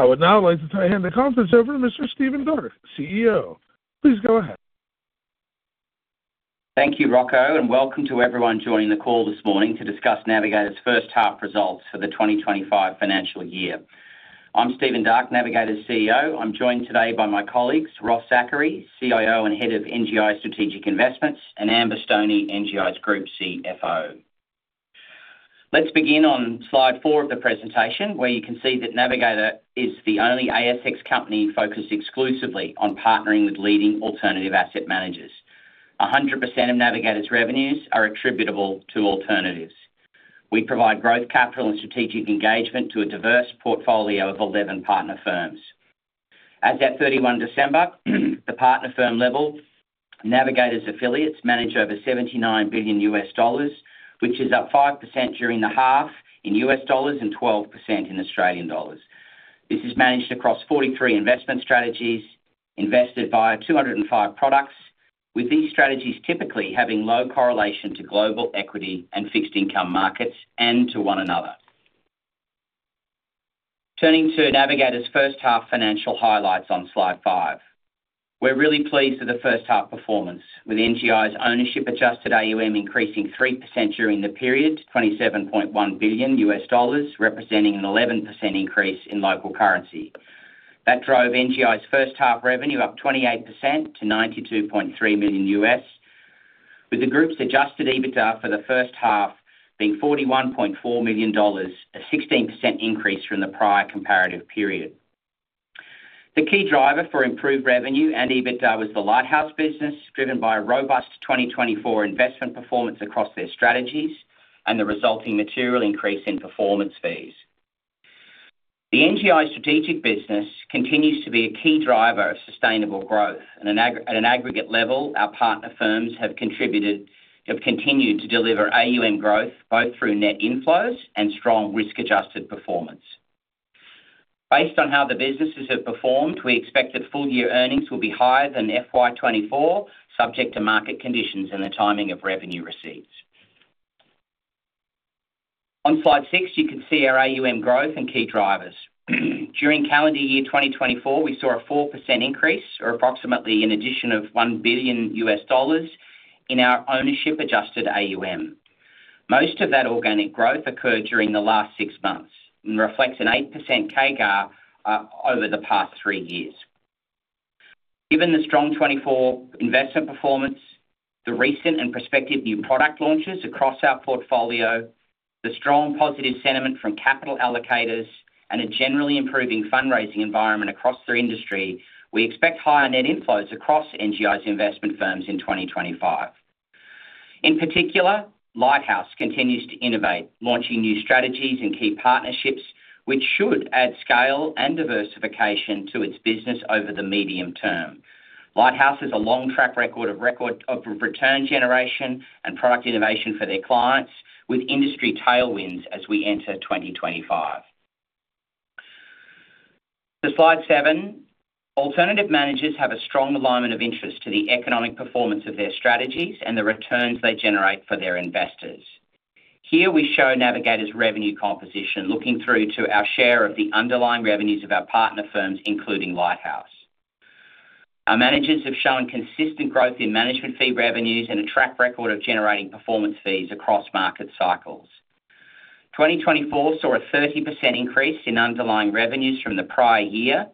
I would now like to turn the conference over to Mr. Stephen Darke CEO, Please go ahead Thank you, Rocco, and welcome to everyone joining the call this morning to discuss Navigator's first half results for the 2025 financial year. I'm Stephen Darke, Navigator's CEO. I'm joined today by my colleagues, Ross Zachary, CIO and Head of NGI Strategic Investments, and Amber Stoney, NGI's Group CFO. Let's begin on slide four of the presentation, where you can see that Navigator is the only ASX company focused exclusively on partnering with leading alternative asset managers. 100% of Navigator's revenues are attributable to alternatives. We provide growth capital and strategic engagement to a diverse portfolio of 11 partner firms. As of 31 December, at the partner firm level, Navigator's affiliates manage over $79 billion, which is up 5% during the half in U.S. dollars and 12% in Australian dollars. This is managed across 43 investment strategies, invested via 205 products, with these strategies typically having low correlation to global equity and fixed income markets and to one another. Turning to Navigator's first half financial highlights on slide five, we're really pleased with the first half performance, with NGI's ownership-adjusted AUM increasing 3% during the period, $27.1 billion, representing an 11% increase in local currency. That drove NGI's first half revenue up 28% to $92.3 million, with the group's adjusted EBITDA for the first half being $41.4 million, a 16% increase from the prior comparative period. The key driver for improved revenue and EBITDA was the Lighthouse business, driven by a robust 2024 investment performance across their strategies and the resulting material increase in performance fees. The NGI Strategic business continues to be a key driver of sustainable growth. At an aggregate level, our partner firms have continued to deliver AUM growth, both through net inflows and strong risk-adjusted performance. Based on how the businesses have performed, we expect that full-year earnings will be higher than FY24, subject to market conditions and the timing of revenue receipts. On slide six, you can see our AUM growth and key drivers. During calendar year 2024, we saw a 4% increase, or approximately an addition of $1 billion, in our ownership-adjusted AUM. Most of that organic growth occurred during the last six months and reflects an 8% CAGR over the past three years. Given the strong 2024 investment performance, the recent and prospective new product launches across our portfolio, the strong positive sentiment from capital allocators, and a generally improving fundraising environment across the industry, we expect higher net inflows across NGI's investment firms in 2025. In particular, Lighthouse continues to innovate, launching new strategies and key partnerships, which should add scale and diversification to its business over the medium term. Lighthouse has a long track record of return generation and product innovation for their clients, with industry tailwinds as we enter 2025. To slide seven, alternative managers have a strong alignment of interest to the economic performance of their strategies and the returns they generate for their investors. Here, we show Navigator's revenue composition, looking through to our share of the underlying revenues of our partner firms, including Lighthouse. Our managers have shown consistent growth in management fee revenues and a track record of generating performance fees across market cycles. 2024 saw a 30% increase in underlying revenues from the prior year,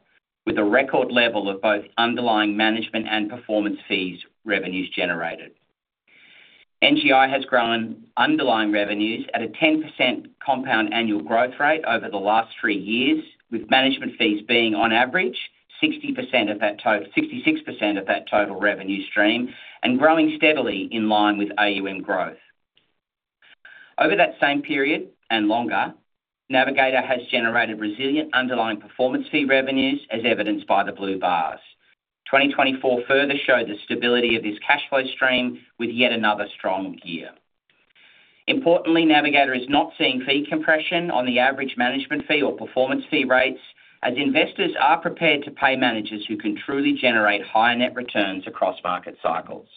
with a record level of both underlying management and performance fees revenues generated. NGI has grown underlying revenues at a 10% compound annual growth rate over the last three years, with management fees being, on average, 66% of that total revenue stream and growing steadily in line with AUM growth. Over that same period and longer, Navigator has generated resilient underlying performance fee revenues, as evidenced by the blue bars. 2024 further showed the stability of this cash flow stream with yet another strong year. Importantly, Navigator is not seeing fee compression on the average management fee or performance fee rates, as investors are prepared to pay managers who can truly generate higher net returns across market cycles.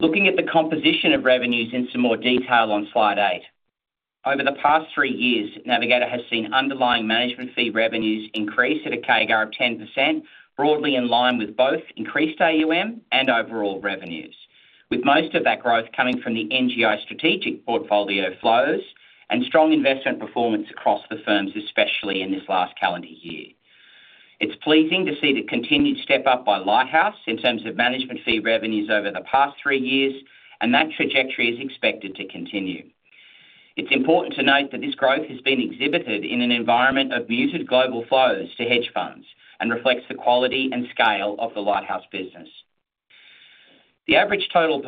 Looking at the composition of revenues in some more detail on slide eight, over the past three years, Navigator has seen underlying management fee revenues increase at a CAGR of 10%, broadly in line with both increased AUM and overall revenues, with most of that growth coming from the NGI Strategic portfolio flows and strong investment performance across the firms, especially in this last calendar year. It's pleasing to see the continued step up by Lighthouse in terms of management fee revenues over the past three years, and that trajectory is expected to continue. It's important to note that this growth has been exhibited in an environment of muted global flows to hedge funds and reflects the quality and scale of the Lighthouse business. The average total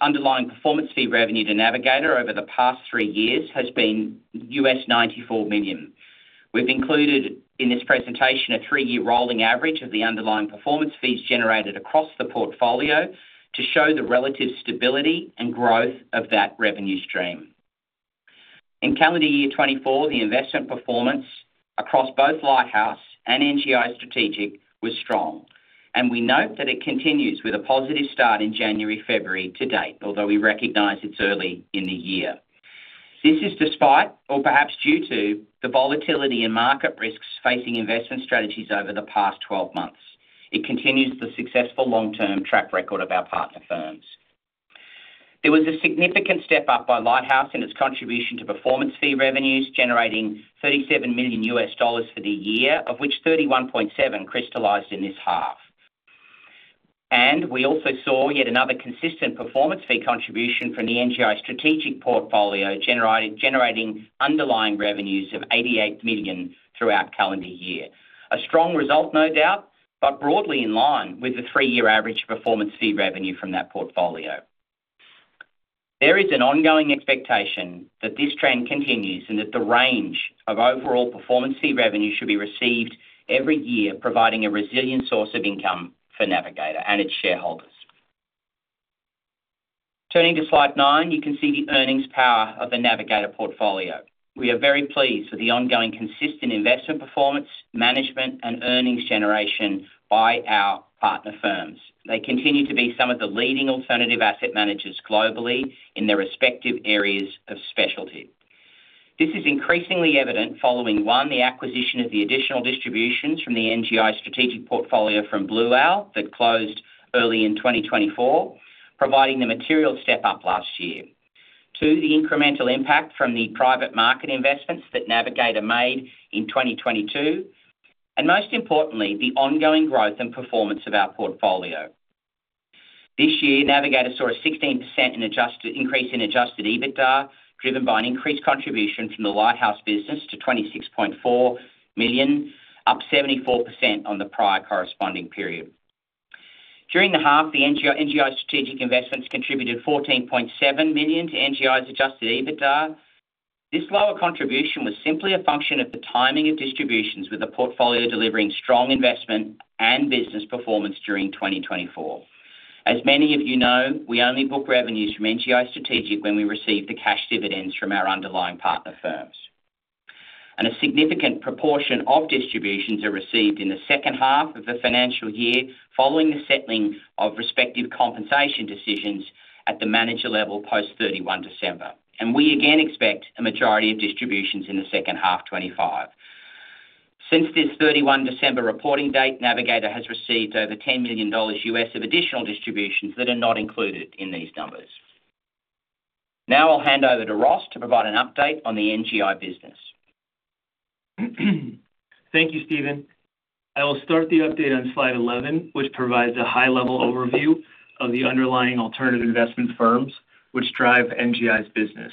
underlying performance fee revenue to Navigator over the past three years has been $94 million. We've included in this presentation a three-year rolling average of the underlying performance fees generated across the portfolio to show the relative stability and growth of that revenue stream. In calendar year 2024, the investment performance across both Lighthouse and NGI Strategic was strong, and we note that it continues with a positive start in January/February to date, although we recognize it's early in the year. This is despite, or perhaps due to, the volatility and market risks facing investment strategies over the past 12 months. It continues the successful long-term track record of our partner firms. There was a significant step up by Lighthouse in its contribution to performance fee revenues, generating $37 million for the year, of which $31.7 million crystallized in this half. And we also saw yet another consistent performance fee contribution from the NGI strategic portfolio, generating underlying revenues of $88 million throughout calendar year. A strong result, no doubt, but broadly in line with the three-year average performance fee revenue from that portfolio. There is an ongoing expectation that this trend continues and that the range of overall performance fee revenue should be received every year, providing a resilient source of income for Navigator and its shareholders. Turning to slide nine, you can see the earnings power of the Navigator portfolio. We are very pleased with the ongoing consistent investment performance, management, and earnings generation by our partner firms. They continue to be some of the leading alternative asset managers globally in their respective areas of specialty. This is increasingly evident following, one, the acquisition of the additional distributions from the NGI Strategic portfolio from Blue Owl that closed early in 2024, providing the material step up last year. Two, the incremental impact from the private market investments that Navigator made in 2022, and most importantly, the ongoing growth and performance of our portfolio. This year, Navigator saw a 16% increase in Adjusted EBITDA, driven by an increased contribution from the Lighthouse business to $26.4 million, up 74% on the prior corresponding period. During the half, the NGI Strategic investments contributed $14.7 million to NGI's Adjusted EBITDA. This lower contribution was simply a function of the timing of distributions, with the portfolio delivering strong investment and business performance during 2024. As many of you know, we only book revenues from NGI Strategic when we receive the cash dividends from our underlying partner firms. A significant proportion of distributions are received in the second half of the financial year following the settling of respective compensation decisions at the manager level post-31 December. We again expect a majority of distributions in the second half 2025. Since this 31 December reporting date, Navigator has received over $10 million of additional distributions that are not included in these numbers. Now I'll hand over to Ross to provide an update on the NGI business. Thank you, Stephen. I will start the update on slide 11, which provides a high-level overview of the underlying alternative investment firms which drive NGI's business.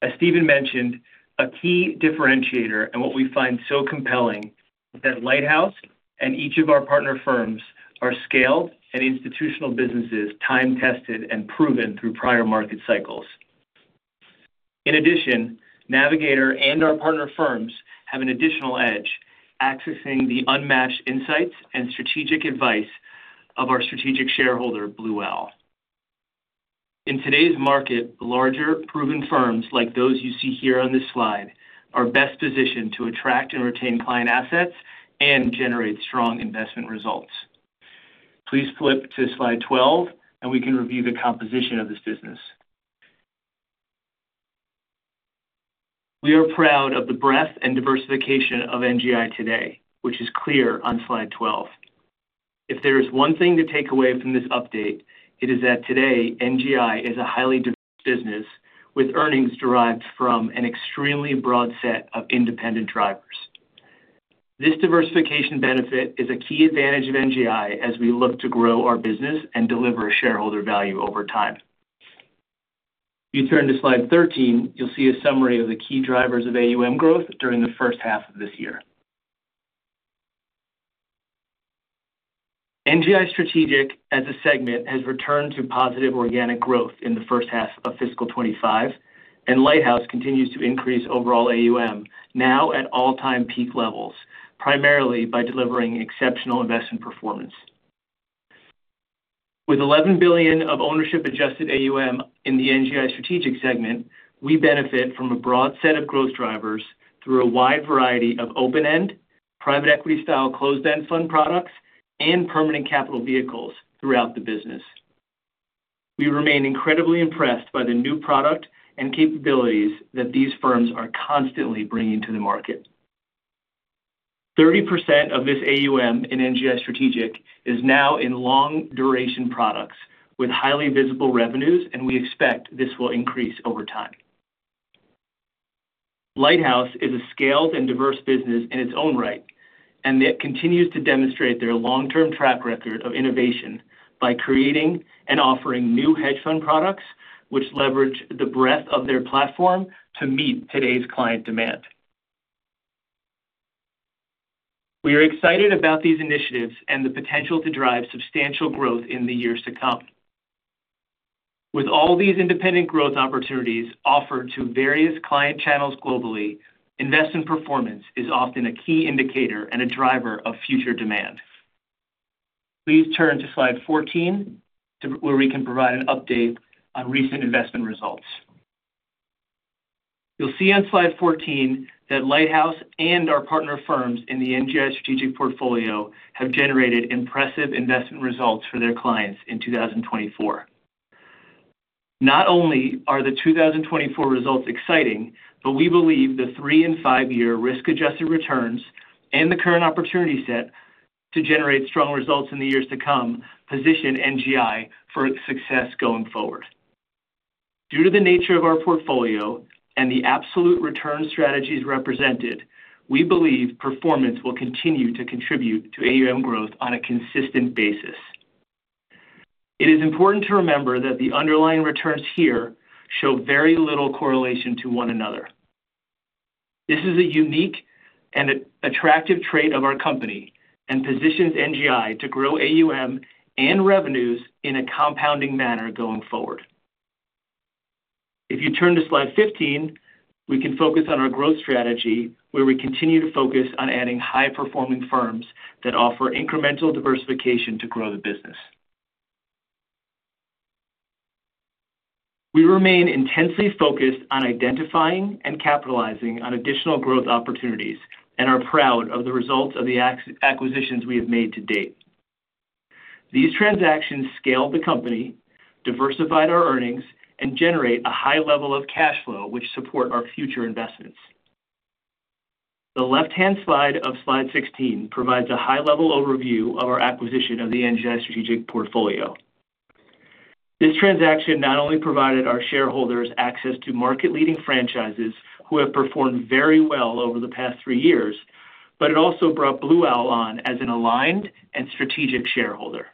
As Stephen mentioned, a key differentiator and what we find so compelling is that Lighthouse and each of our partner firms are scaled and institutional businesses, time-tested and proven through prior market cycles. In addition, Navigator and our partner firms have an additional edge accessing the unmatched insights and strategic advice of our strategic shareholder, Blue Owl. In today's market, larger, proven firms like those you see here on this slide are best positioned to attract and retain client assets and generate strong investment results. Please flip to slide 12, and we can review the composition of this business. We are proud of the breadth and diversification of NGI today, which is clear on slide 12. If there is one thing to take away from this update, it is that today NGI is a highly diverse business with earnings derived from an extremely broad set of independent drivers. This diversification benefit is a key advantage of NGI as we look to grow our business and deliver shareholder value over time. If you turn to slide 13, you'll see a summary of the key drivers of AUM growth during the first half of this year. NGI Strategic, as a segment, has returned to positive organic growth in the first half of fiscal 2025, and Lighthouse continues to increase overall AUM now at all-time peak levels, primarily by delivering exceptional investment performance. With $11 billion of ownership-adjusted AUM in the NGI Strategic segment, we benefit from a broad set of growth drivers through a wide variety of open-end, private equity-style closed-end fund products, and permanent capital vehicles throughout the business. We remain incredibly impressed by the new product and capabilities that these firms are constantly bringing to the market. 30% of this AUM in NGI Strategic is now in long-duration products with highly visible revenues, and we expect this will increase over time. Lighthouse is a scaled and diverse business in its own right, and it continues to demonstrate their long-term track record of innovation by creating and offering new hedge fund products, which leverage the breadth of their platform to meet today's client demand. We are excited about these initiatives and the potential to drive substantial growth in the years to come. With all these independent growth opportunities offered to various client channels globally, investment performance is often a key indicator and a driver of future demand. Please turn to slide 14, where we can provide an update on recent investment results. You'll see on slide 14 that Lighthouse and our partner firms in the NGI Strategic portfolio have generated impressive investment results for their clients in 2024. Not only are the 2024 results exciting, but we believe the three and five-year risk-adjusted returns and the current opportunity set to generate strong results in the years to come position NGI for success going forward. Due to the nature of our portfolio and the absolute return strategies represented, we believe performance will continue to contribute to AUM growth on a consistent basis. It is important to remember that the underlying returns here show very little correlation to one another. This is a unique and attractive trait of our company and positions NGI to grow AUM and revenues in a compounding manner going forward. If you turn to slide 15, we can focus on our growth strategy, where we continue to focus on adding high-performing firms that offer incremental diversification to grow the business. We remain intensely focused on identifying and capitalizing on additional growth opportunities and are proud of the results of the acquisitions we have made to date. These transactions scale the company, diversify our earnings, and generate a high level of cash flow which supports our future investments. The left-hand side of slide 16 provides a high-level overview of our acquisition of the NGI Strategic portfolio. This transaction not only provided our shareholders access to market-leading franchises who have performed very well over the past three years, but it also brought Blue Owl on as an aligned and strategic shareholder.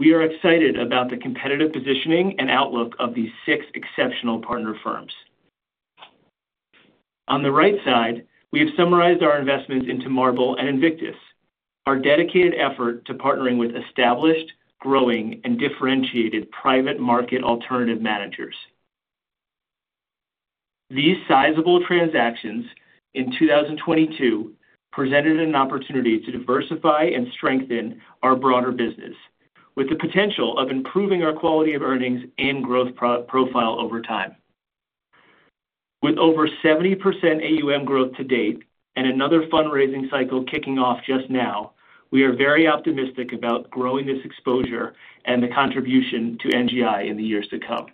We are excited about the competitive positioning and outlook of these six exceptional partner firms. On the right side, we have summarized our investments into Marble and Invictus, our dedicated effort to partnering with established, growing, and differentiated private market alternative managers. These sizable transactions in 2022 presented an opportunity to diversify and strengthen our broader business, with the potential of improving our quality of earnings and growth profile over time. With over 70% AUM growth to date and another fundraising cycle kicking off just now, we are very optimistic about growing this exposure and the contribution to NGI in the years to come.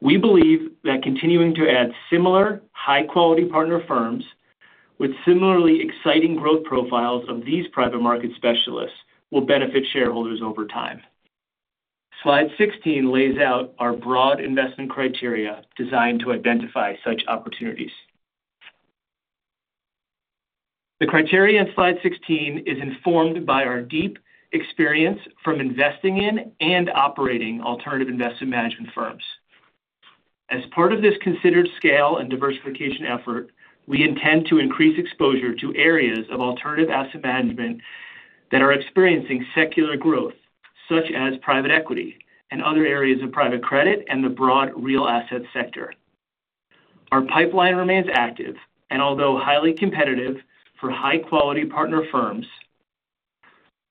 We believe that continuing to add similar high-quality partner firms with similarly exciting growth profiles of these private market specialists will benefit shareholders over time. Slide 16 lays out our broad investment criteria designed to identify such opportunities. The criteria in slide 16 is informed by our deep experience from investing in and operating alternative investment management firms. As part of this considered scale and diversification effort, we intend to increase exposure to areas of alternative asset management that are experiencing secular growth, such as private equity and other areas of private credit and the broad real asset sector. Our pipeline remains active, and although highly competitive for high-quality partner firms,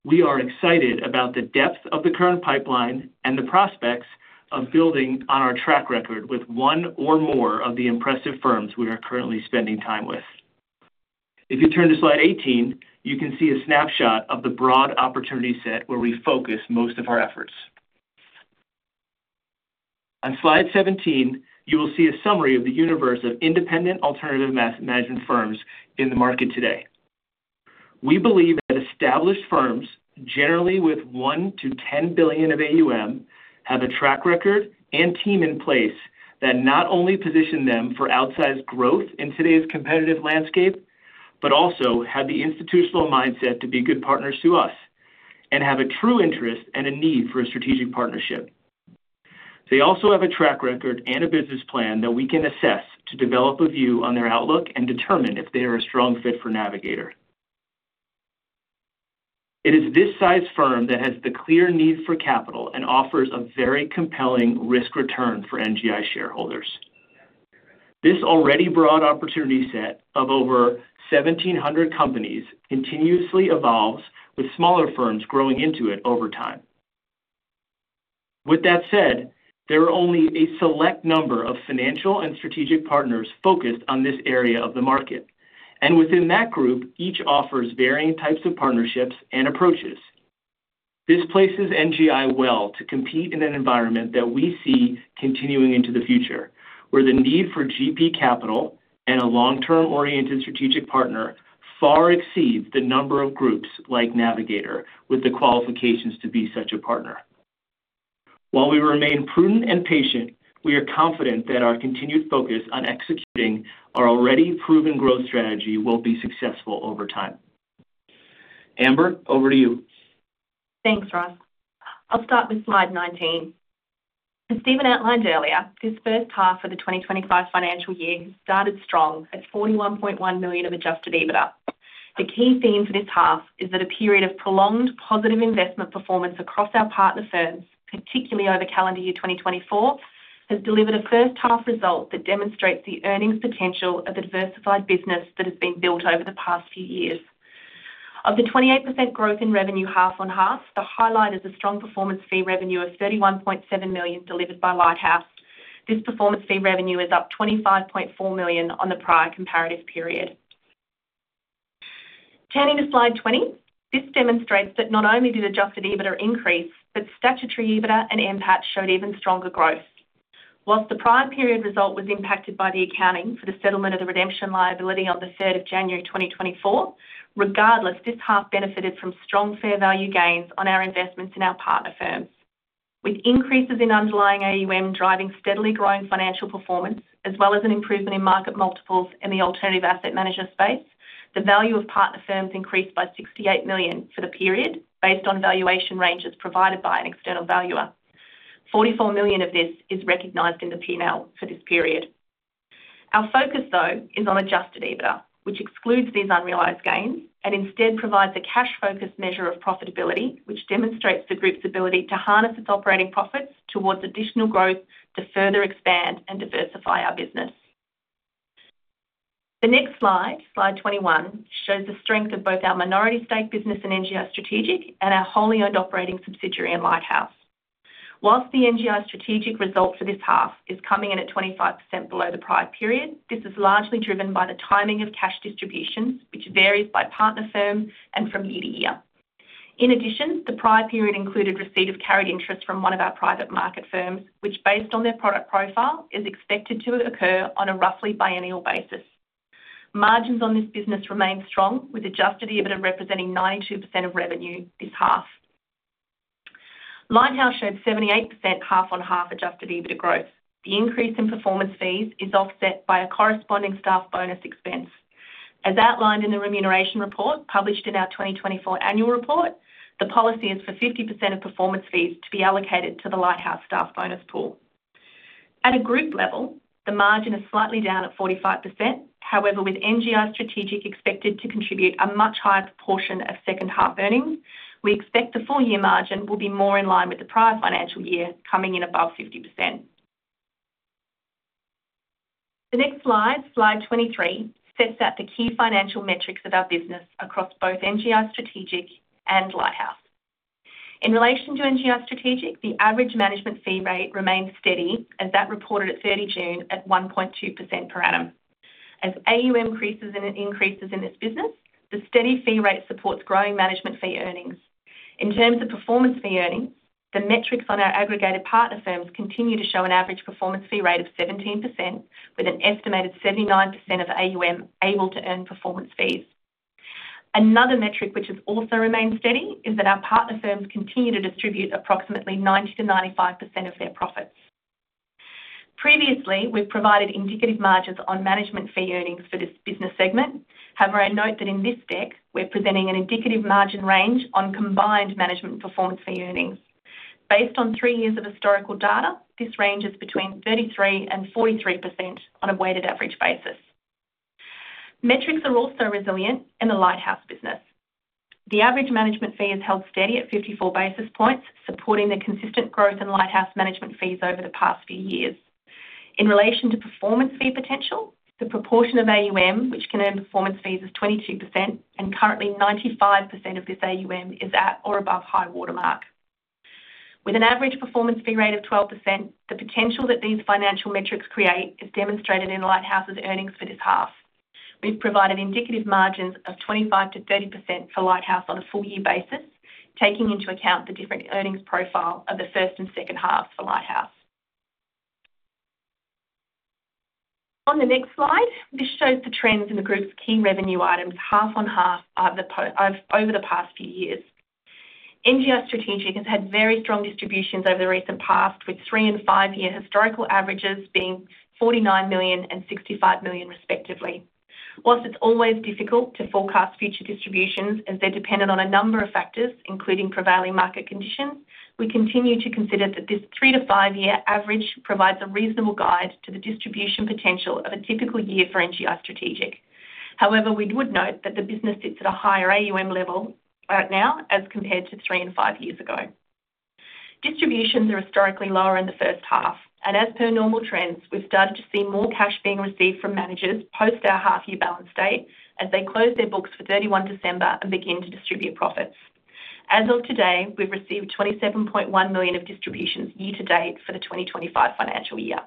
we are excited about the depth of the current pipeline and the prospects of building on our track record with one or more of the impressive firms we are currently spending time with. If you turn to slide 18, you can see a snapshot of the broad opportunity set where we focus most of our efforts. On slide 17, you will see a summary of the universe of independent alternative asset management firms in the market today. We believe that established firms, generally with $1-$10 billion of AUM, have a track record and team in place that not only position them for outsized growth in today's competitive landscape, but also have the institutional mindset to be good partners to us and have a true interest and a need for a strategic partnership. They also have a track record and a business plan that we can assess to develop a view on their outlook and determine if they are a strong fit for Navigator. It is this size firm that has the clear need for capital and offers a very compelling risk-return for NGI shareholders. This already broad opportunity set of over 1,700 companies continuously evolves, with smaller firms growing into it over time. With that said, there are only a select number of financial and strategic partners focused on this area of the market, and within that group, each offers varying types of partnerships and approaches. This places NGI well to compete in an environment that we see continuing into the future, where the need for GP capital and a long-term-oriented strategic partner far exceeds the number of groups like Navigator with the qualifications to be such a partner. While we remain prudent and patient, we are confident that our continued focus on executing our already proven growth strategy will be successful over time. Amber, over to you. Thanks, Ross. I'll start with slide 19. As Stephen outlined earlier, this first half of the 2025 financial year has started strong at $41.1 million of adjusted EBITDA. The key theme for this half is that a period of prolonged positive investment performance across our partner firms, particularly over calendar year 2024, has delivered a first-half result that demonstrates the earnings potential of the diversified business that has been built over the past few years. Of the 28% growth in revenue half-on-half, the highlight is a strong performance fee revenue of $31.7 million delivered by Lighthouse. This performance fee revenue is up $25.4 million on the prior comparative period. Turning to slide 20, this demonstrates that not only did adjusted EBITDA increase, but statutory EBITDA and NPAT showed even stronger growth. While the prior period result was impacted by the accounting for the settlement of the redemption liability on the 3rd of January 2024, regardless, this half benefited from strong fair value gains on our investments in our partner firms. With increases in underlying AUM driving steadily growing financial performance, as well as an improvement in market multiples in the alternative asset manager space, the value of partner firms increased by $68 million for the period based on valuation ranges provided by an external valuer. $44 million of this is recognized in the P&L for this period. Our focus, though, is on adjusted EBITDA, which excludes these unrealized gains and instead provides a cash-focused measure of profitability, which demonstrates the group's ability to harness its operating profits towards additional growth to further expand and diversify our business. The next slide, slide 21, shows the strength of both our minority stake business in NGI Strategic and our wholly owned operating subsidiary in Lighthouse. While the NGI Strategic result for this half is coming in at 25% below the prior period, this is largely driven by the timing of cash distributions, which varies by partner firm and from year to year. In addition, the prior period included receipt of carried interest from one of our private market firms, which, based on their product profile, is expected to occur on a roughly biennial basis. Margins on this business remain strong, with adjusted EBITDA representing 92% of revenue this half. Lighthouse showed 78% half-on-half adjusted EBITDA growth. The increase in performance fees is offset by a corresponding staff bonus expense. As outlined in the remuneration report published in our 2024 annual report, the policy is for 50% of performance fees to be allocated to the Lighthouse staff bonus pool. At a group level, the margin is slightly down at 45%. However, with NGI Strategic expected to contribute a much higher proportion of second-half earnings, we expect the full-year margin will be more in line with the prior financial year coming in above 50%. The next slide, slide 23, sets out the key financial metrics of our business across both NGI Strategic and Lighthouse. In relation to NGI Strategic, the average management fee rate remains steady as that reported at 30 June at 1.2% per annum. As AUM increases in this business, the steady fee rate supports growing management fee earnings. In terms of performance fee earnings, the metrics on our aggregated partner firms continue to show an average performance fee rate of 17%, with an estimated 79% of AUM able to earn performance fees. Another metric which has also remained steady is that our partner firms continue to distribute approximately 90% to 95% of their profits. Previously, we've provided indicative margins on management fee earnings for this business segment. However, I note that in this deck, we're presenting an indicative margin range on combined management performance fee earnings. Based on three years of historical data, this ranges between 33% and 43% on a weighted average basis. Metrics are also resilient in the Lighthouse business. The average management fee has held steady at 54 basis points, supporting the consistent growth in Lighthouse management fees over the past few years. In relation to performance fee potential, the proportion of AUM which can earn performance fees is 22%, and currently 95% of this AUM is at or above high watermark. With an average performance fee rate of 12%, the potential that these financial metrics create is demonstrated in Lighthouse's earnings for this half. We've provided indicative margins of 25%-30% for Lighthouse on a full-year basis, taking into account the different earnings profile of the first and second halves for Lighthouse. On the next slide, this shows the trends in the group's key revenue items half-on-half over the past few years. NGI Strategic has had very strong distributions over the recent past, with three and five-year historical averages being $49 million and $65 million, respectively. Whilst it's always difficult to forecast future distributions as they're dependent on a number of factors, including prevailing market conditions, we continue to consider that this three to five-year average provides a reasonable guide to the distribution potential of a typical year for NGI Strategic. However, we would note that the business sits at a higher AUM level right now as compared to three and five years ago. Distributions are historically lower in the first half, and as per normal trends, we've started to see more cash being received from managers post our half-year balance date as they close their books for 31 December and begin to distribute profits. As of today, we've received $27.1 million of distributions year-to-date for the 2025 financial year.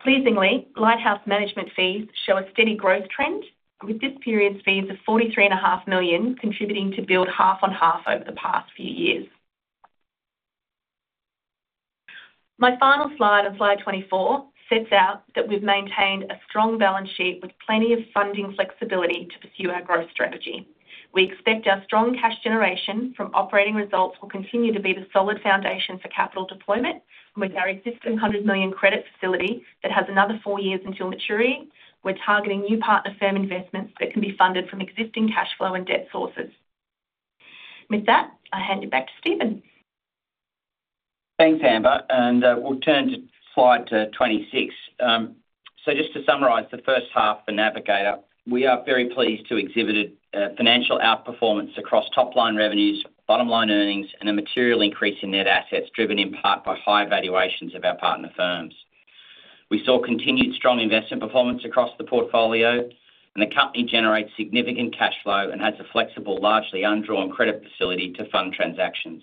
Pleasingly, Lighthouse management fees show a steady growth trend, with this period's fees of $43.5 million contributing to build half-on-half over the past few years. My final slide on slide 24 sets out that we've maintained a strong balance sheet with plenty of funding flexibility to pursue our growth strategy. We expect our strong cash generation from operating results will continue to be the solid foundation for capital deployment, and with our existing $100 million credit facility that has another four years until maturity, we're targeting new partner firm investments that can be funded from existing cash flow and debt sources. With that, I'll hand it back to Stephen. Thanks, Amber, and we'll turn to Slide 26. So just to summarize the first half for Navigator, we are very pleased to exhibit financial outperformance across top-line revenues, bottom-line earnings, and a material increase in net assets driven in part by high valuations of our partner firms. We saw continued strong investment performance across the portfolio, and the company generates significant cash flow and has a flexible, largely undrawn credit facility to fund transactions.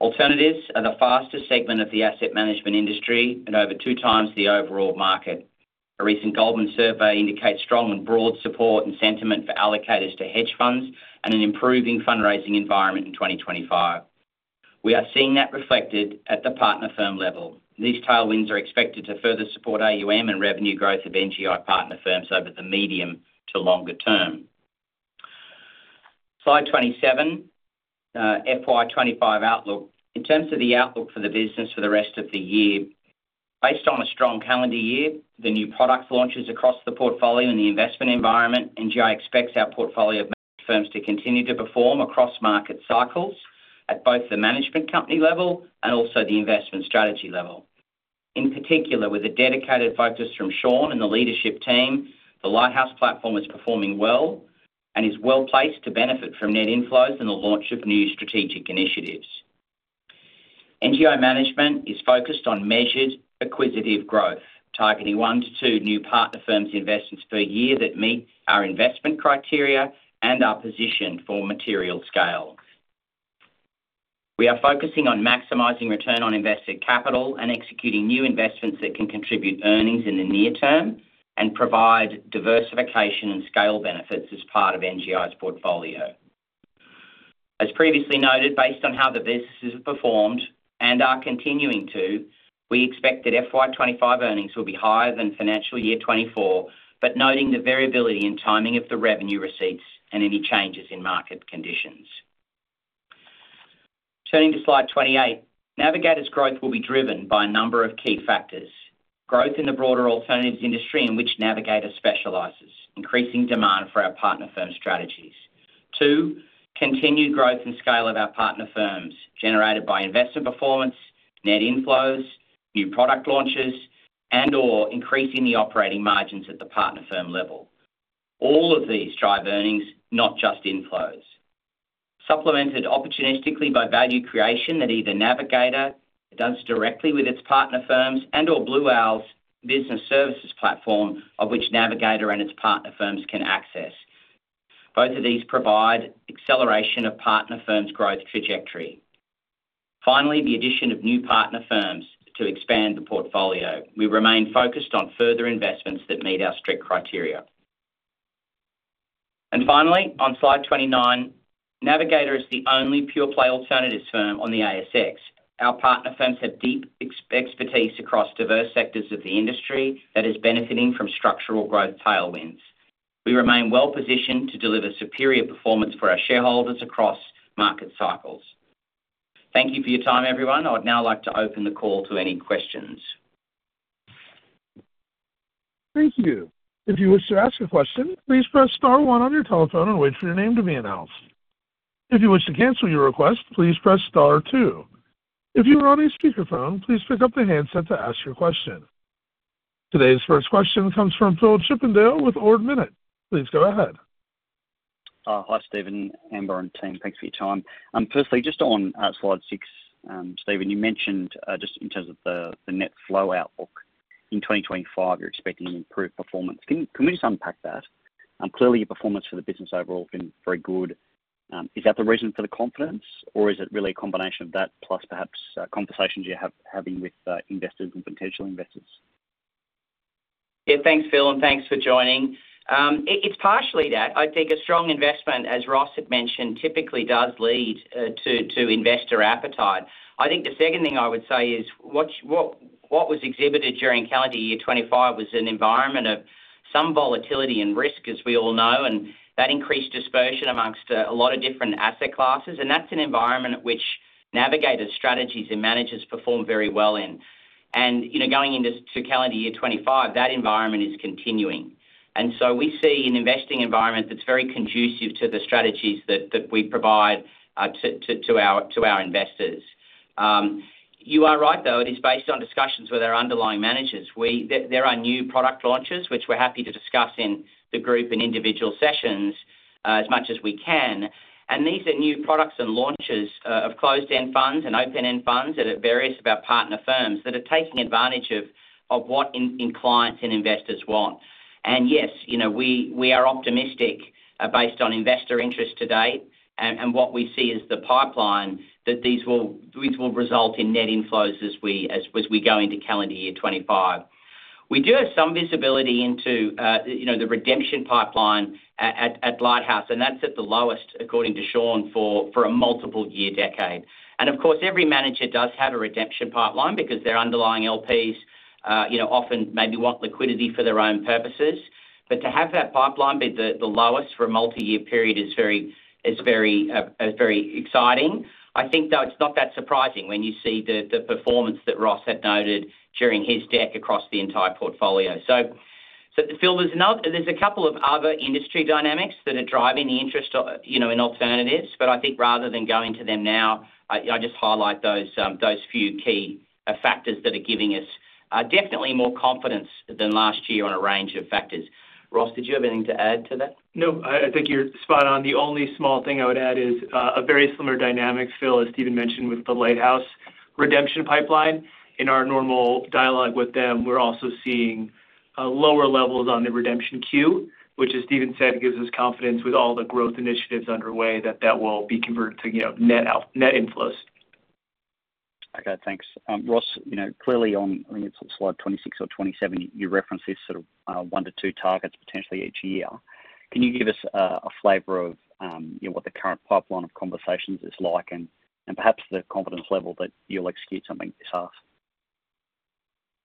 Alternatives are the fastest segment of the asset management industry at over two times the overall market. A recent Goldman survey indicates strong and broad support and sentiment for allocators to hedge funds and an improving fundraising environment in 2025. We are seeing that reflected at the partner firm level. These tailwinds are expected to further support AUM and revenue growth of NGI partner firms over the medium to longer term. Slide 27, FY25 outlook. In terms of the outlook for the business for the rest of the year, based on a strong calendar year, the new product launches across the portfolio and the investment environment, NGI expects our portfolio of management firms to continue to perform across market cycles at both the management company level and also the investment strategy level. In particular, with a dedicated focus from Sean and the leadership team, the Lighthouse platform is performing well and is well placed to benefit from net inflows and the launch of new strategic initiatives. NGI management is focused on measured, acquisitive growth, targeting one to two new partner firms' investments per year that meet our investment criteria and are positioned for material scale. We are focusing on maximizing return on invested capital and executing new investments that can contribute earnings in the near term and provide diversification and scale benefits as part of NGI's portfolio. As previously noted, based on how the business has performed and are continuing to, we expect that FY25 earnings will be higher than financial year 24, but noting the variability in timing of the revenue receipts and any changes in market conditions. Turning to slide 28, Navigator's growth will be driven by a number of key factors: growth in the broader alternatives industry in which Navigator specializes, increasing demand for our partner firm strategies, two, continued growth and scale of our partner firms generated by investment performance, net inflows, new product launches, and/or increasing the operating margins at the partner firm level. All of these drive earnings, not just inflows, supplemented opportunistically by value creation that either Navigator does directly with its partner firms and/or Blue Owl's business services platform, of which Navigator and its partner firms can access. Both of these provide acceleration of partner firms' growth trajectory. Finally, the addition of new partner firms to expand the portfolio. We remain focused on further investments that meet our strict criteria. And finally, on slide 29, Navigator is the only pure-play alternatives firm on the ASX. Our partner firms have deep expertise across diverse sectors of the industry that is benefiting from structural growth tailwinds. We remain well positioned to deliver superior performance for our shareholders across market cycles. Thank you for your time, everyone. I'd now like to open the call to any questions. Thank you. If you wish to ask a question, please press star one on your telephone and wait for your name to be announced. If you wish to cancel your request, please press star two. If you are on a speakerphone, please pick up the handset to ask your question. Today's first question comes from Phillip Chippendale with Ord Minnett. Please go ahead. Hi, Stephen. Amber and team, thanks for your time. Firstly, just on slide six, Stephen, you mentioned just in terms of the net flow outlook, in 2025, you're expecting improved performance. Can we just unpack that? Clearly, your performance for the business overall has been very good. Is that the reason for the confidence, or is it really a combination of that plus perhaps conversations you're having with investors and potential investors? Yeah, thanks, Phil, and thanks for joining. It's partially that. I think a strong investment, as Ross had mentioned, typically does lead to investor appetite. I think the second thing I would say is what was exhibited during calendar year 2025 was an environment of some volatility and risk, as we all know, and that increased dispersion amongst a lot of different asset classes. And that's an environment which Navigator's strategies and managers perform very well in. And going into calendar year 2025, that environment is continuing. And so we see an investing environment that's very conducive to the strategies that we provide to our investors. You are right, though. It is based on discussions with our underlying managers. There are new product launches, which we're happy to discuss in the group and individual sessions as much as we can. And these are new products and launches of closed-end funds and open-end funds at various of our partner firms that are taking advantage of what clients and investors want. And yes, we are optimistic based on investor interest today and what we see as the pipeline that these will result in net inflows as we go into calendar year 2025. We do have some visibility into the redemption pipeline at Lighthouse, and that's at the lowest, according to Sean, for a multiple-year decade. And of course, every manager does have a redemption pipeline because their underlying LPs often maybe want liquidity for their own purposes. But to have that pipeline be the lowest for a multi-year period is very exciting. I think, though, it's not that surprising when you see the performance that Ross had noted during his deck across the entire portfolio. So Phil, there's a couple of other industry dynamics that are driving the interest in alternatives, but I think rather than going to them now, I just highlight those few key factors that are giving us definitely more confidence than last year on a range of factors. Ross, did you have anything to add to that? No, I think you're spot on. The only small thing I would add is a very similar dynamic, Phil, as Stephen mentioned, with the Lighthouse redemption pipeline. In our normal dialogue with them, we're also seeing lower levels on the redemption queue, which, as Stephen said, gives us confidence with all the growth initiatives underway that that will be converted to net inflows. Okay, thanks. Ross, clearly on slide 26 or 27, you reference these sort of one to two targets potentially each year. Can you give us a flavor of what the current pipeline of conversations is like and perhaps the confidence level that you'll execute something this half?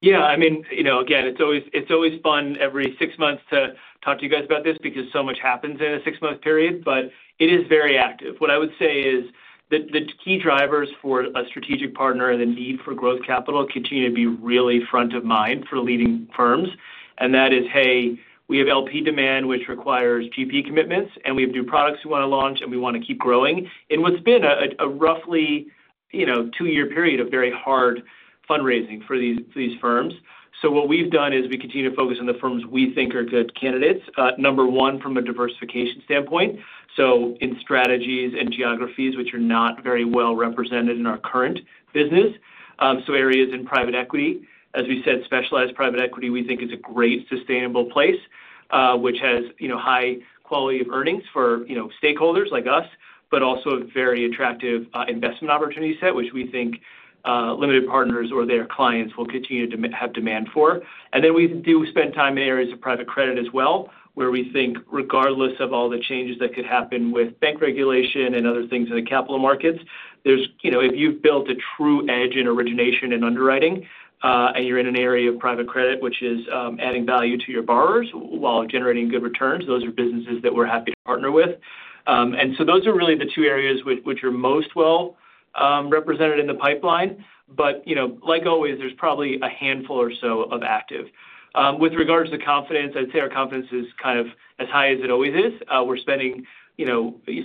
Yeah, I mean, again, it's always fun every six months to talk to you guys about this because so much happens in a six-month period, but it is very active. What I would say is that the key drivers for a strategic partner and the need for growth capital continue to be really front of mind for leading firms. And that is, hey, we have LP demand, which requires GP commitments, and we have new products we want to launch, and we want to keep growing. And what's been a roughly two-year period of very hard fundraising for these firms. So what we've done is we continue to focus on the firms we think are good candidates, number one from a diversification standpoint, so in strategies and geographies which are not very well represented in our current business. So areas in private equity, as we said, specialized private equity, we think is a great sustainable place, which has high quality of earnings for stakeholders like us, but also a very attractive investment opportunity set, which we think limited partners or their clients will continue to have demand for. And then we do spend time in areas of private credit as well, where we think regardless of all the changes that could happen with bank regulation and other things in the capital markets, if you've built a true edge in origination and underwriting and you're in an area of private credit, which is adding value to your borrowers while generating good returns, those are businesses that we're happy to partner with. And so those are really the two areas which are most well represented in the pipeline. But like always, there's probably a handful or so of active. With regards to confidence, I'd say our confidence is kind of as high as it always is. We're spending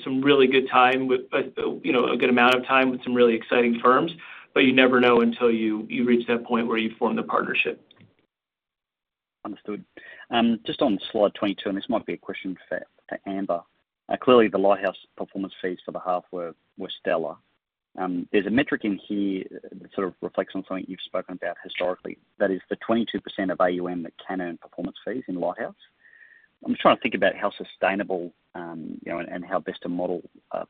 some really good time, a good amount of time with some really exciting firms, but you never know until you reach that point where you form the partnership. Understood. Just on slide 22, and this might be a question for Amber. Clearly, the Lighthouse performance fees for the half were stellar. There's a metric in here that sort of reflects on something you've spoken about historically. That is the 22% of AUM that can earn performance fees in Lighthouse. I'm just trying to think about how sustainable and how best to model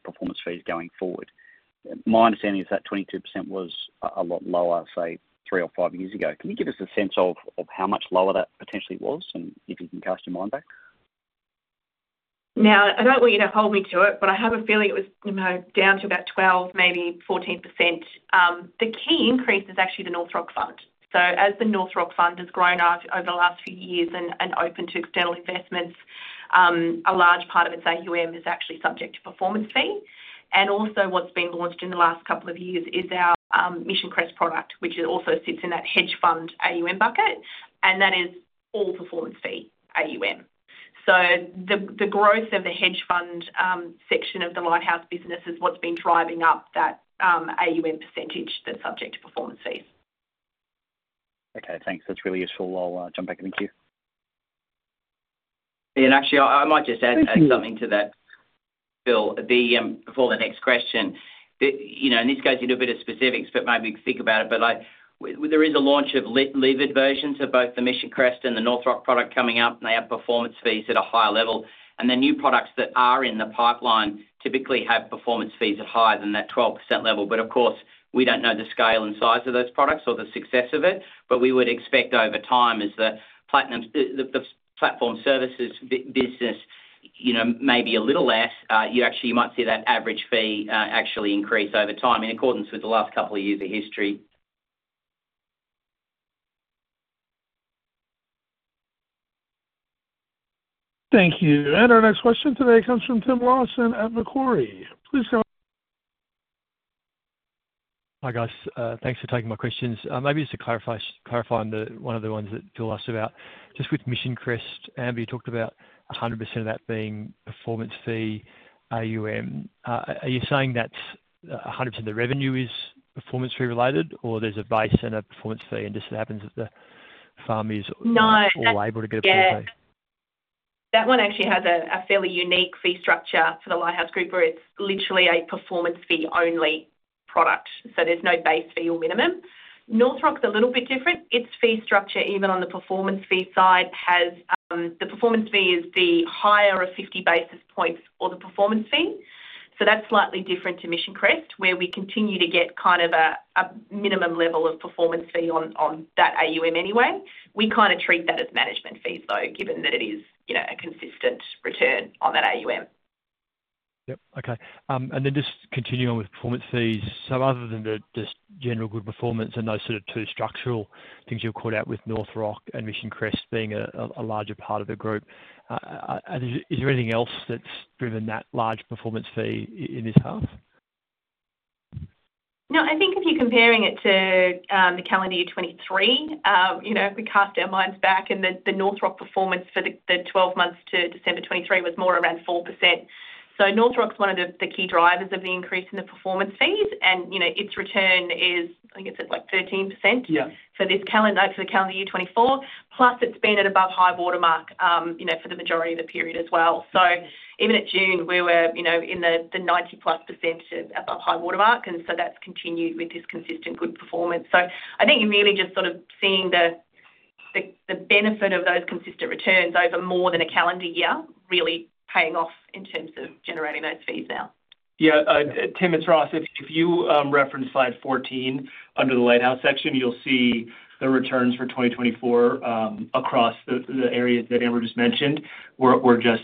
performance fees going forward. My understanding is that 22% was a lot lower, say, three or five years ago. Can you give us a sense of how much lower that potentially was and if you can cast your mind back? Now, I don't want you to hold me to it, but I have a feeling it was down to about 12%, maybe 14%. The key increase is actually the North Rock Fund. So as the North Rock Fund has grown over the last few years and opened to external investments, a large part of its AUM is actually subject to performance fee. And also what's been launched in the last couple of years is our Mission Crest product, which also sits in that hedge fund AUM bucket, and that is all performance fee AUM. So the growth of the hedge fund section of the Lighthouse business is what's been driving up that AUM percentage that's subject to performance fees. Okay, thanks. That's really useful. I'll jump back. Thank you. Actually, I might just add something to that, Phil, before the next question. This goes into a bit of specifics, but maybe think about it. There is a launch of levered versions of both the Mission Crest and the North Rock product coming up, and they have performance fees at a higher level. The new products that are in the pipeline typically have performance fees at higher than that 12% level. Of course, we don't know the scale and size of those products or the success of it. We would expect over time as the platform services business may be a little less. Actually, you might see that average fee actually increase over time in accordance with the last couple of years of history. Thank you. And our next question today comes from Tim Lawson at Macquarie. Please come. Hi, guys. Thanks for taking my questions. Maybe just to clarify one of the ones that Phil asked about. Just with Mission Crest, Amber, you talked about 100% of that being performance fee AUM. Are you saying that 100% of the revenue is performance fee related, or there's a base and a performance fee, and just it happens that the firm is not able to get a performance fee? No, that one actually has a fairly unique fee structure for the Lighthouse Group, where it's literally a performance fee-only product. So there's no base fee or minimum. North Rock's a little bit different. Its fee structure, even on the performance fee side, has the performance fee is the higher of 50 basis points or the performance fee. So that's slightly different to Mission Crest, where we continue to get kind of a minimum level of performance fee on that AUM anyway. We kind of treat that as management fees, though, given that it is a consistent return on that AUM. Yep. Okay. And then just continuing on with performance fees. So other than just general good performance and those sort of two structural things you've called out with North Rock and Mission Crest being a larger part of the group, is there anything else that's driven that large performance fee in this half? No, I think if you're comparing it to the calendar year 2023, if we cast our minds back, and the North Rock performance for the 12 months to December 2023 was more around 4%. So North Rock's one of the key drivers of the increase in the performance fees, and its return is, I think it's at like 13% for the calendar year 2024. Plus, it's been at above high watermark for the majority of the period as well. So even at June, we were in the 90-plus % above high watermark, and so that's continued with this consistent good performance. So I think you're really just sort of seeing the benefit of those consistent returns over more than a calendar year really paying off in terms of generating those fees now. Yeah. Tim, it's Ross. If you reference slide 14 under the Lighthouse section, you'll see the returns for 2024 across the areas that Amber just mentioned were just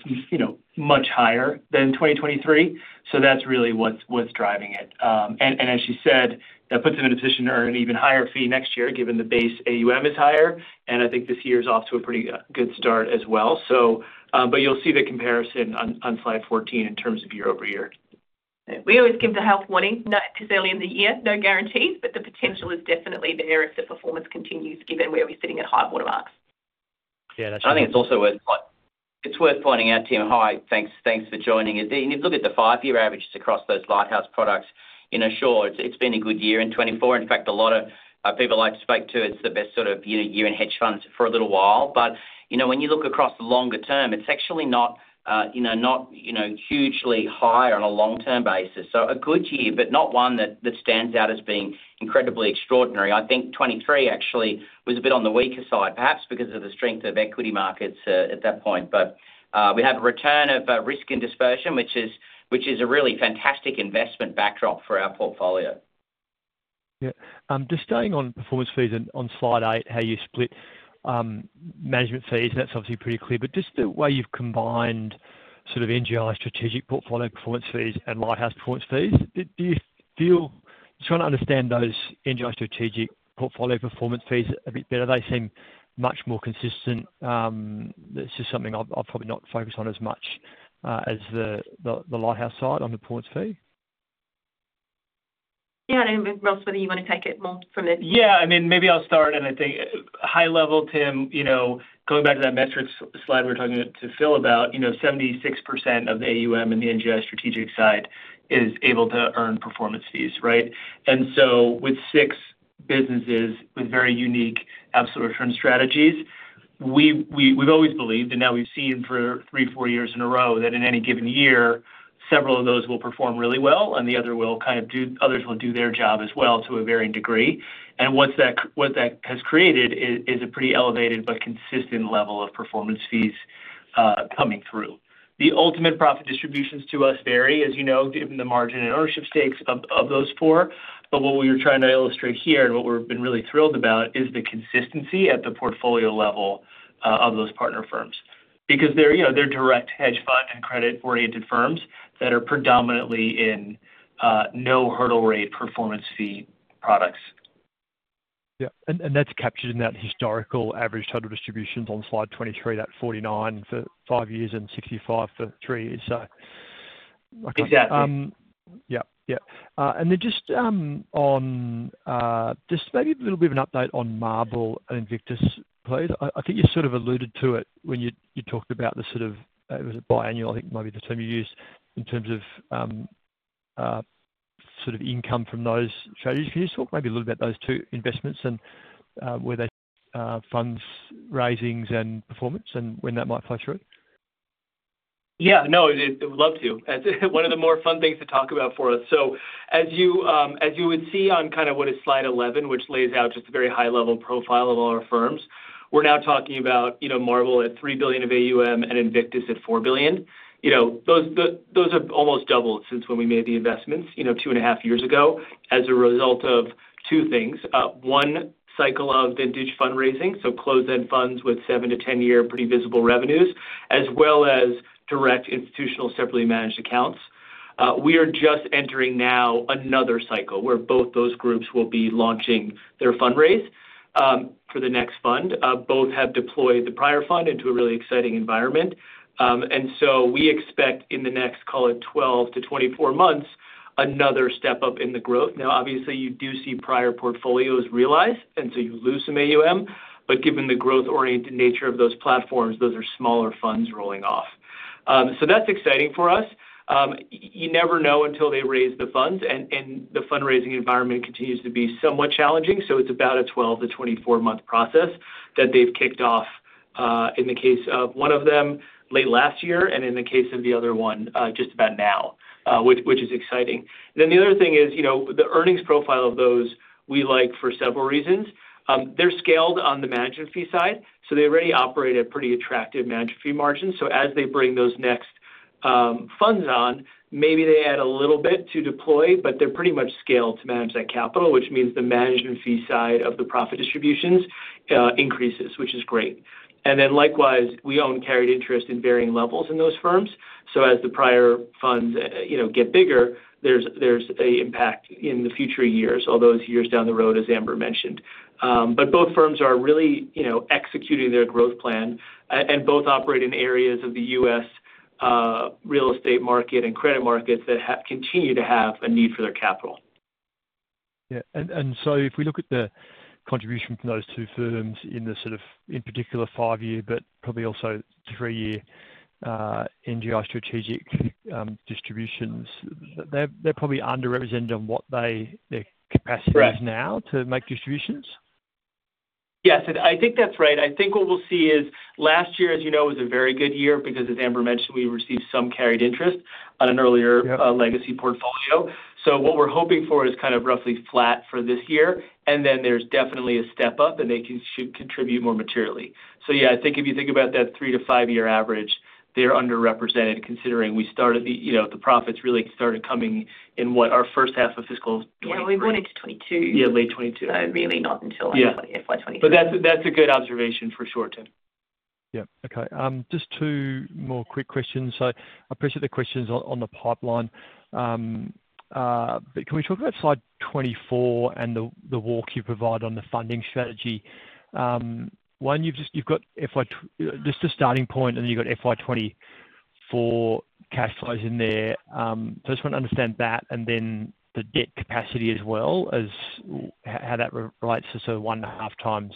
much higher than 2023, so that's really what's driving it. And as she said, that puts them in a position to earn an even higher fee next year given the base AUM is higher, and I think this year is off to a pretty good start as well, but you'll see the comparison on slide 14 in terms of year over year. We always give the health warning, not necessarily in the year, no guarantees, but the potential is definitely there if the performance continues given where we're sitting at high watermarks. Yeah, that's true. I think it's also worth pointing out, Tim, hi, thanks for joining. You look at the five-year averages across those Lighthouse products, sure, it's been a good year in 2024. In fact, a lot of people I like to speak to, it's the best sort of year in hedge funds for a little while, but when you look across the longer term, it's actually not hugely higher on a long-term basis, so a good year, but not one that stands out as being incredibly extraordinary. I think 2023 actually was a bit on the weaker side, perhaps because of the strength of equity markets at that point, but we have a return of risk and dispersion, which is a really fantastic investment backdrop for our portfolio. Yeah. Just staying on performance fees and on slide eight, how you split management fees, and that's obviously pretty clear. But just the way you've combined sort of NGI Strategic portfolio performance fees and Lighthouse performance fees, do you feel? Just trying to understand those NGI Strategic portfolio performance fees a bit better? They seem much more consistent. It's just something I've probably not focused on as much as the Lighthouse side on the performance fee. Yeah. I don't know, Ross, whether you want to take it more from there. Yeah. I mean, maybe I'll start, and I think high level, Tim, going back to that metrics slide we were talking to Phil about, 76% of the AUM and the NGI Strategic side is able to earn performance fees, right? And so with six businesses with very unique absolute return strategies, we've always believed, and now we've seen for three, four years in a row, that in any given year, several of those will perform really well, and the others will do their job as well to a varying degree. And what that has created is a pretty elevated but consistent level of performance fees coming through. The ultimate profit distributions to us vary, as you know, given the margin and ownership stakes of those four. But what we were trying to illustrate here and what we've been really thrilled about is the consistency at the portfolio level of those partner firms because they're direct hedge fund and credit-oriented firms that are predominantly in no hurdle rate performance fee products. Yeah, and that's captured in that historical average total distributions on slide 23, that 49 for five years and 65 for three years. Exactly. Yeah. Yeah, and then just maybe a little bit of an update on Marble and Invictus, please. I think you sort of alluded to it when you talked about the sort of, was it biannual? I think maybe the term you used in terms of sort of income from those strategies. Can you talk maybe a little bit about those two investments and where they funds raisings and performance and when that might play through? Yeah. No, I would love to. It's one of the more fun things to talk about for us. So as you would see on kind of what is slide 11, which lays out just a very high-level profile of all our firms, we're now talking about Marble at 3 billion of AUM and Invictus at 4 billion. Those have almost doubled since when we made the investments two and a half years ago as a result of two things. One cycle of vintage fundraising, so closed-end funds with 7-10-year pretty visible revenues, as well as direct institutional separately managed accounts. We are just entering now another cycle where both those groups will be launching their fundraise for the next fund. Both have deployed the prior fund into a really exciting environment. We expect in the next, call it 12-24 months, another step up in the growth. Now, obviously, you do see prior portfolios realize, and so you lose some AUM. But given the growth-oriented nature of those platforms, those are smaller funds rolling off. That's exciting for us. You never know until they raise the funds, and the fundraising environment continues to be somewhat challenging. It's about a 12-24-month process that they've kicked off in the case of one of them late last year and in the case of the other one just about now, which is exciting. The other thing is the earnings profile of those we like for several reasons. They're scaled on the management fee side, so they already operate at pretty attractive management fee margins. So as they bring those next funds on, maybe they add a little bit to deploy, but they're pretty much scaled to manage that capital, which means the management fee side of the profit distributions increases, which is great. And then likewise, we own carried interest in varying levels in those firms. So as the prior funds get bigger, there's an impact in the future years, all those years down the road, as Amber mentioned. But both firms are really executing their growth plan, and both operate in areas of the U.S. real estate market and credit markets that continue to have a need for their capital. Yeah. And so if we look at the contribution from those two firms in the sort of, in particular, five-year, but probably also three-year NGI Strategic distributions, they're probably underrepresented on what their capacity is now to make distributions. Yes. I think that's right. I think what we'll see is last year, as you know, was a very good year because, as Amber mentioned, we received some carried interest on an earlier legacy portfolio. So what we're hoping for is kind of roughly flat for this year, and then there's definitely a step up, and they should contribute more materially. So yeah, I think if you think about that three-to-five-year average, they're underrepresented considering the profits really started coming in in our first half of fiscal 2022. Yeah, late 2022. Yeah, late 2022. So really not until end of 2023. But that's a good observation for short term. Yeah. Okay. Just two more quick questions. So I appreciate the questions on the pipeline. But can we talk about slide 24 and the walk you provide on the funding strategy? One, you've got just a starting point, and then you've got FY24 cash flows in there. So I just want to understand that and then the debt capacity as well, how that relates to sort of one-and-a-half times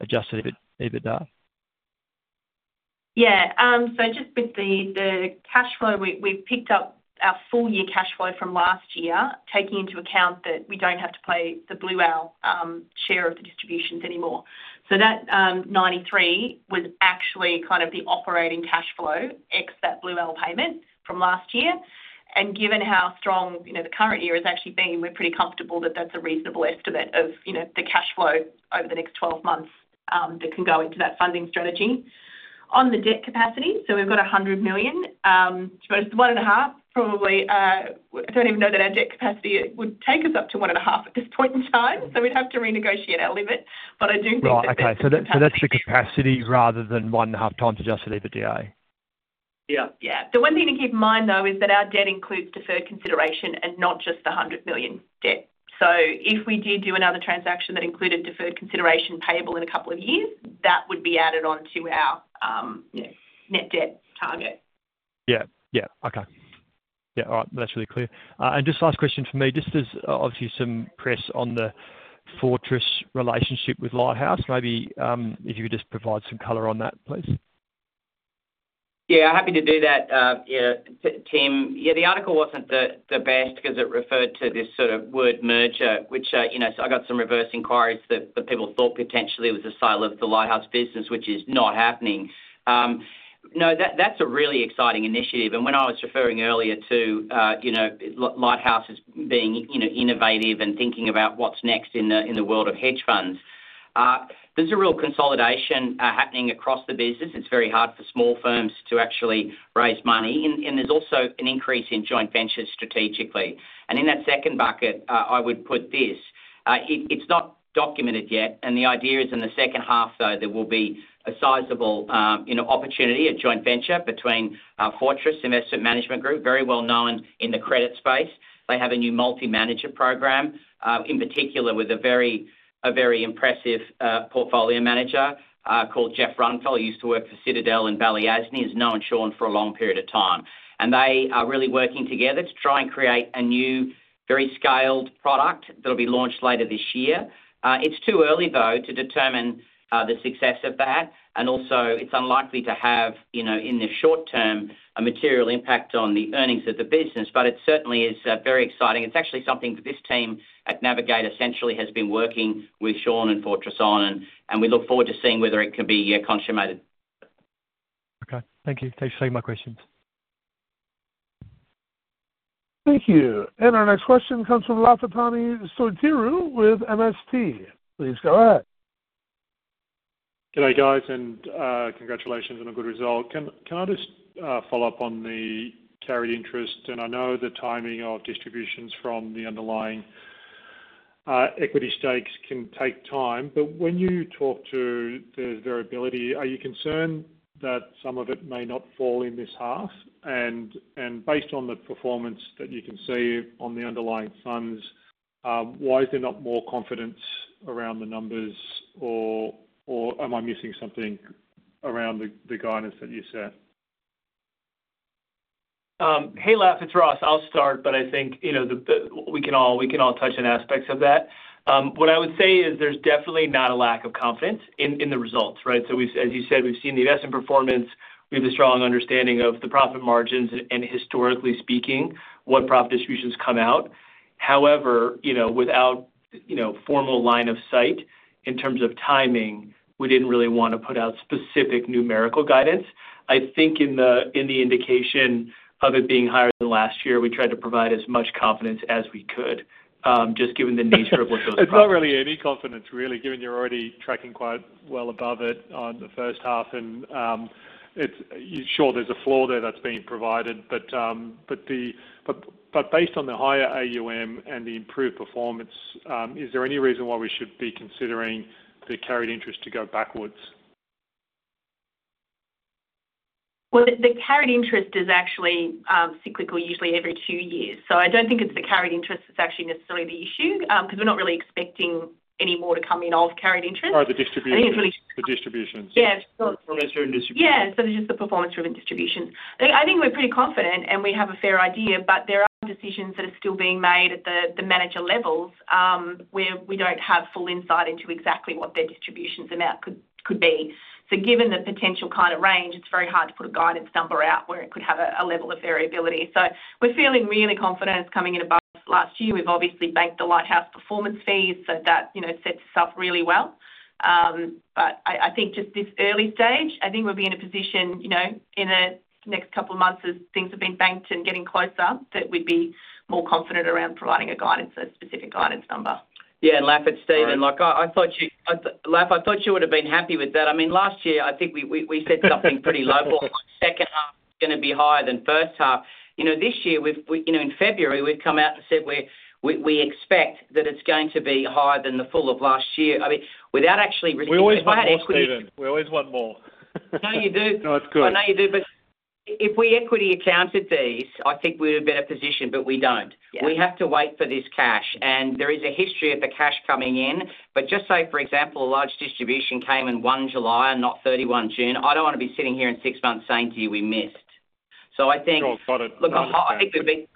Adjusted EBITDA? Yeah. So just with the cash flow, we've picked up our full-year cash flow from last year, taking into account that we don't have to pay the Blue Owl share of the distributions anymore. So that $93 million was actually kind of the operating cash flow ex that Blue Owl payment from last year. And given how strong the current year has actually been, we're pretty comfortable that that's a reasonable estimate of the cash flow over the next 12 months that can go into that funding strategy. On the debt capacity, so we've got $100 million, which is one and a half, probably. I don't even know that our debt capacity would take us up to one and a half at this point in time. So we'd have to renegotiate our limit. But I do think that. Right. Okay. So that's the capacity rather than one and a half times Adjusted EBITDA. Yeah. Yeah. The one thing to keep in mind, though, is that our debt includes deferred consideration and not just the $100 million debt. So if we did do another transaction that included deferred consideration payable in a couple of years, that would be added on to our net debt target. Okay. All right. That's really clear. And just last question for me, just there's obviously some press on the Fortress relationship with Lighthouse. Maybe if you could just provide some color on that, please. Yeah. Happy to do that, Tim. Yeah, the article wasn't the best because it referred to this sort of word merger, which I got some reverse inquiries that people thought potentially was a sale of the Lighthouse business, which is not happening. No, that's a really exciting initiative. When I was referring earlier to Lighthouse as being innovative and thinking about what's next in the world of hedge funds, there's a real consolidation happening across the business. It's very hard for small firms to actually raise money. There's also an increase in joint ventures strategically. In that second bucket, I would put this. It's not documented yet. The idea is in the second half, though, there will be a sizable opportunity, a joint venture between Fortress Investment Group, very well known in the credit space. They have a new multi-manager program, in particular with a very impressive portfolio manager called Jeff Runnfeldt. He used to work for Citadel and Balyasny, has known Sean for a long period of time, and they are really working together to try and create a new, very scaled product that will be launched later this year. It's too early, though, to determine the success of that, and also, it's unlikely to have, in the short term, a material impact on the earnings of the business, but it certainly is very exciting. It's actually something that this team at Navigator essentially has been working with Sean and Fortress on, and we look forward to seeing whether it can be consummated. Okay. Thank you. Thanks for taking my questions. Thank you. And our next question comes from Lafitani Sotiriou with MST. Please go ahead. Good day, guys, and congratulations on a good result. Can I just follow up on the carried interest? And I know the timing of distributions from the underlying equity stakes can take time. But when you talk about, there's variability, are you concerned that some of it may not fall in this half? And based on the performance that you can see on the underlying funds, why is there not more confidence around the numbers, or am I missing something around the guidance that you set? Hey, Laf, it's Ross. I'll start, but I think we can all touch on aspects of that. What I would say is there's definitely not a lack of confidence in the results, right? So as you said, we've seen the investment performance. We have a strong understanding of the profit margins and, historically speaking, what profit distributions come out. However, without formal line of sight in terms of timing, we didn't really want to put out specific numerical guidance. I think in the indication of it being higher than last year, we tried to provide as much confidence as we could, just given the nature of what goes on. It's not really any confidence, really, given you're already tracking quite well above it on the first half. And sure, there's a floor there that's being provided. But based on the higher AUM and the improved performance, is there any reason why we should be considering the carried interest to go backwards? The carried interest is actually cyclical, usually every two years. So I don't think it's the carried interest that's actually necessarily the issue because we're not really expecting any more to come in of carried interest. Oh, the distributions. The distributions. The distributions. Yeah, sure. Yeah. So they're just the performance-driven distributions. I think we're pretty confident, and we have a fair idea, but there are decisions that are still being made at the manager levels where we don't have full insight into exactly what their distributions amount could be. So given the potential kind of range, it's very hard to put a guidance number out where it could have a level of variability. So we're feeling really confident it's coming in above last year. We've obviously banked the Lighthouse performance fees, so that sets itself really well. But I think just this early stage, I think we'll be in a position in the next couple of months, as things have been banked and getting closer, that we'd be more confident around providing a specific guidance number. Yeah. And Laf, it's Stephen. I thought you would have been happy with that. I mean, last year, I think we said something pretty low-ball. Second half is going to be higher than first half. This year, in February, we've come out and said we expect that it's going to be higher than the full of last year. I mean, without actually risking our equity. We always want more. We always want more. I know you do. No, it's good. I know you do. But if we equity accounted these, I think we're in a better position, but we don't. We have to wait for this cash. And there is a history of the cash coming in. But just say, for example, a large distribution came in 1 July and not 31 June, I don't want to be sitting here in six months saying to you, "We missed." So I think. Go on, got it. Look, I think we've been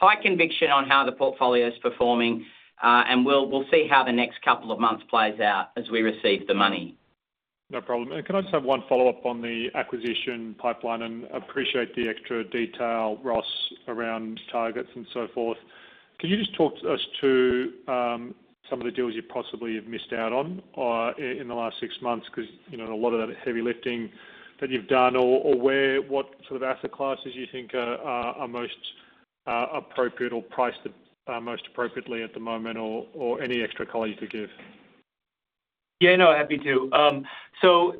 high conviction on how the portfolio is performing, and we'll see how the next couple of months plays out as we receive the money. No problem. And can I just have one follow-up on the acquisition pipeline? And I appreciate the extra detail, Ross, around targets and so forth. Can you just talk to us about some of the deals you possibly have missed out on in the last six months because a lot of that heavy lifting that you've done? Or what sort of asset classes you think are most appropriate or priced most appropriately at the moment? Or any extra color you could give? Yeah. No, happy to. So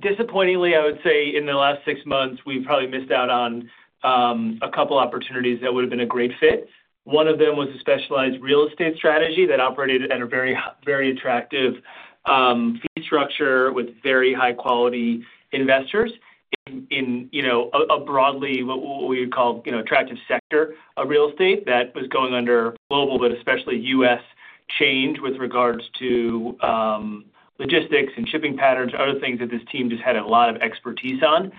disappointingly, I would say in the last six months, we've probably missed out on a couple of opportunities that would have been a great fit. One of them was a specialized real estate strategy that operated at a very attractive fee structure with very high-quality investors in a broadly what we would call an attractive sector of real estate that was undergoing global, but especially U.S. change with regards to logistics and shipping patterns, other things that this team just had a lot of expertise on.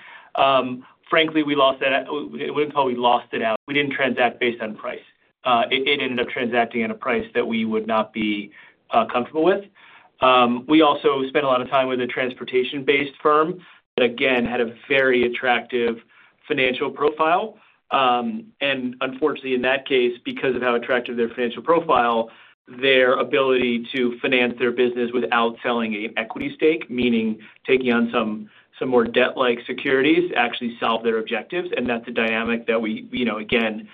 Frankly, we lost that. I wouldn't call it we lost it out. We didn't transact based on price. It ended up transacting at a price that we would not be comfortable with. We also spent a lot of time with a transportation-based firm that, again, had a very attractive financial profile. Unfortunately, in that case, because of how attractive their financial profile, their ability to finance their business without selling an equity stake, meaning taking on some more debt-like securities, actually solved their objectives. That's a dynamic that, again,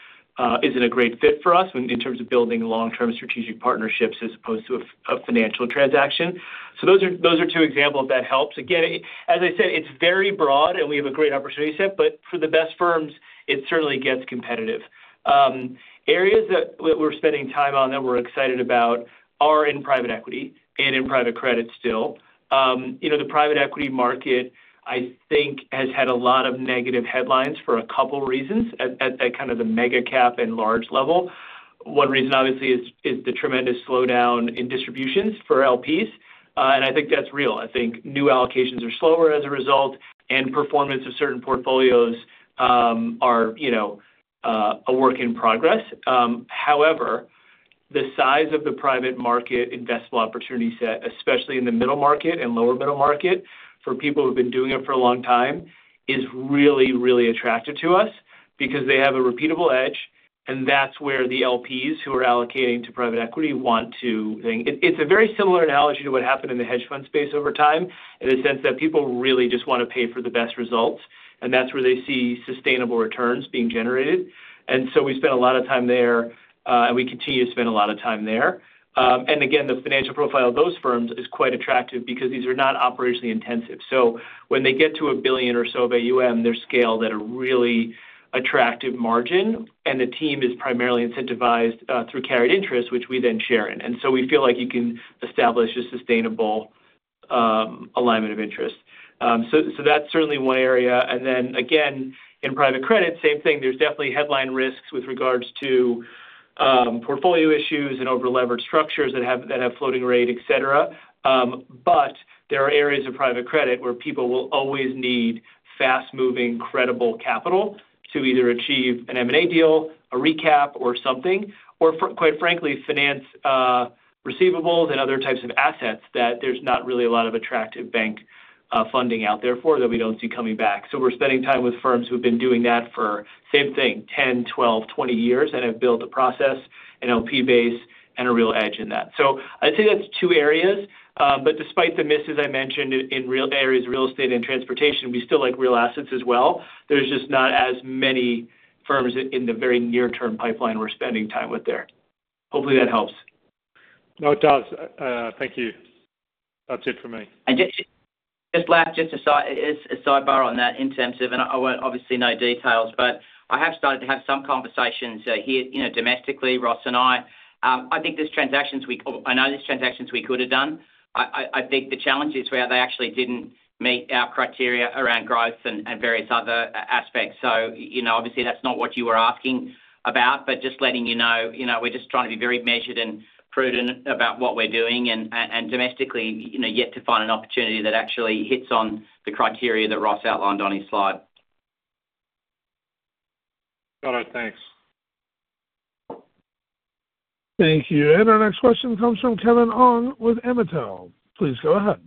isn't a great fit for us in terms of building long-term strategic partnerships as opposed to a financial transaction. So those are two examples that helps. Again, as I said, it's very broad, and we have a great opportunity set. But for the best firms, it certainly gets competitive. Areas that we're spending time on that we're excited about are in private equity and in private credit still. The private equity market, I think, has had a lot of negative headlines for a couple of reasons at kind of the mega-cap and large level. One reason, obviously, is the tremendous slowdown in distributions for LPs. And I think that's real. I think new allocations are slower as a result, and performance of certain portfolios are a work in progress. However, the size of the private market investable opportunity set, especially in the middle market and lower middle market for people who've been doing it for a long time, is really, really attractive to us because they have a repeatable edge, and that's where the LPs who are allocating to private equity want to. It's a very similar analogy to what happened in the hedge fund space over time in the sense that people really just want to pay for the best results, and that's where they see sustainable returns being generated, and so we spent a lot of time there, and we continue to spend a lot of time there, and again, the financial profile of those firms is quite attractive because these are not operationally intensive. So when they get to $1 billion or so of AUM, they're scaled at a really attractive margin. And the team is primarily incentivized through carried interest, which we then share in. And so we feel like you can establish a sustainable alignment of interest. So that's certainly one area. And then, again, in private credit, same thing. There's definitely headline risks with regards to portfolio issues and over-leveraged structures that have floating rate, etc. But there are areas of private credit where people will always need fast-moving, credible capital to either achieve an M&A deal, a recap, or something, or, quite frankly, finance receivables and other types of assets that there's not really a lot of attractive bank funding out there for that we don't see coming back. So we're spending time with firms who've been doing that for, same thing, 10, 12, 20 years and have built a process, an LP base, and a real edge in that. So I'd say that's two areas. But despite the misses I mentioned in areas of real estate and transportation, we still like real assets as well. There's just not as many firms in the very near-term pipeline we're spending time with there. Hopefully, that helps. No, it does. Thank you. That's it for me. Just to sidebar on that incentive, and I won't obviously know details, but I have started to have some conversations here domestically, Ross and I. I think this transaction we know would have done. I think the challenge is where they actually didn't meet our criteria around growth and various other aspects. So obviously, that's not what you were asking about, but just letting you know we're just trying to be very measured and prudent about what we're doing, and domestically yet to find an opportunity that actually hits on the criteria that Ross outlined on his slide. Got it. Thanks. Thank you. And our next question comes from Kevin Ong with MUFG. Please go ahead.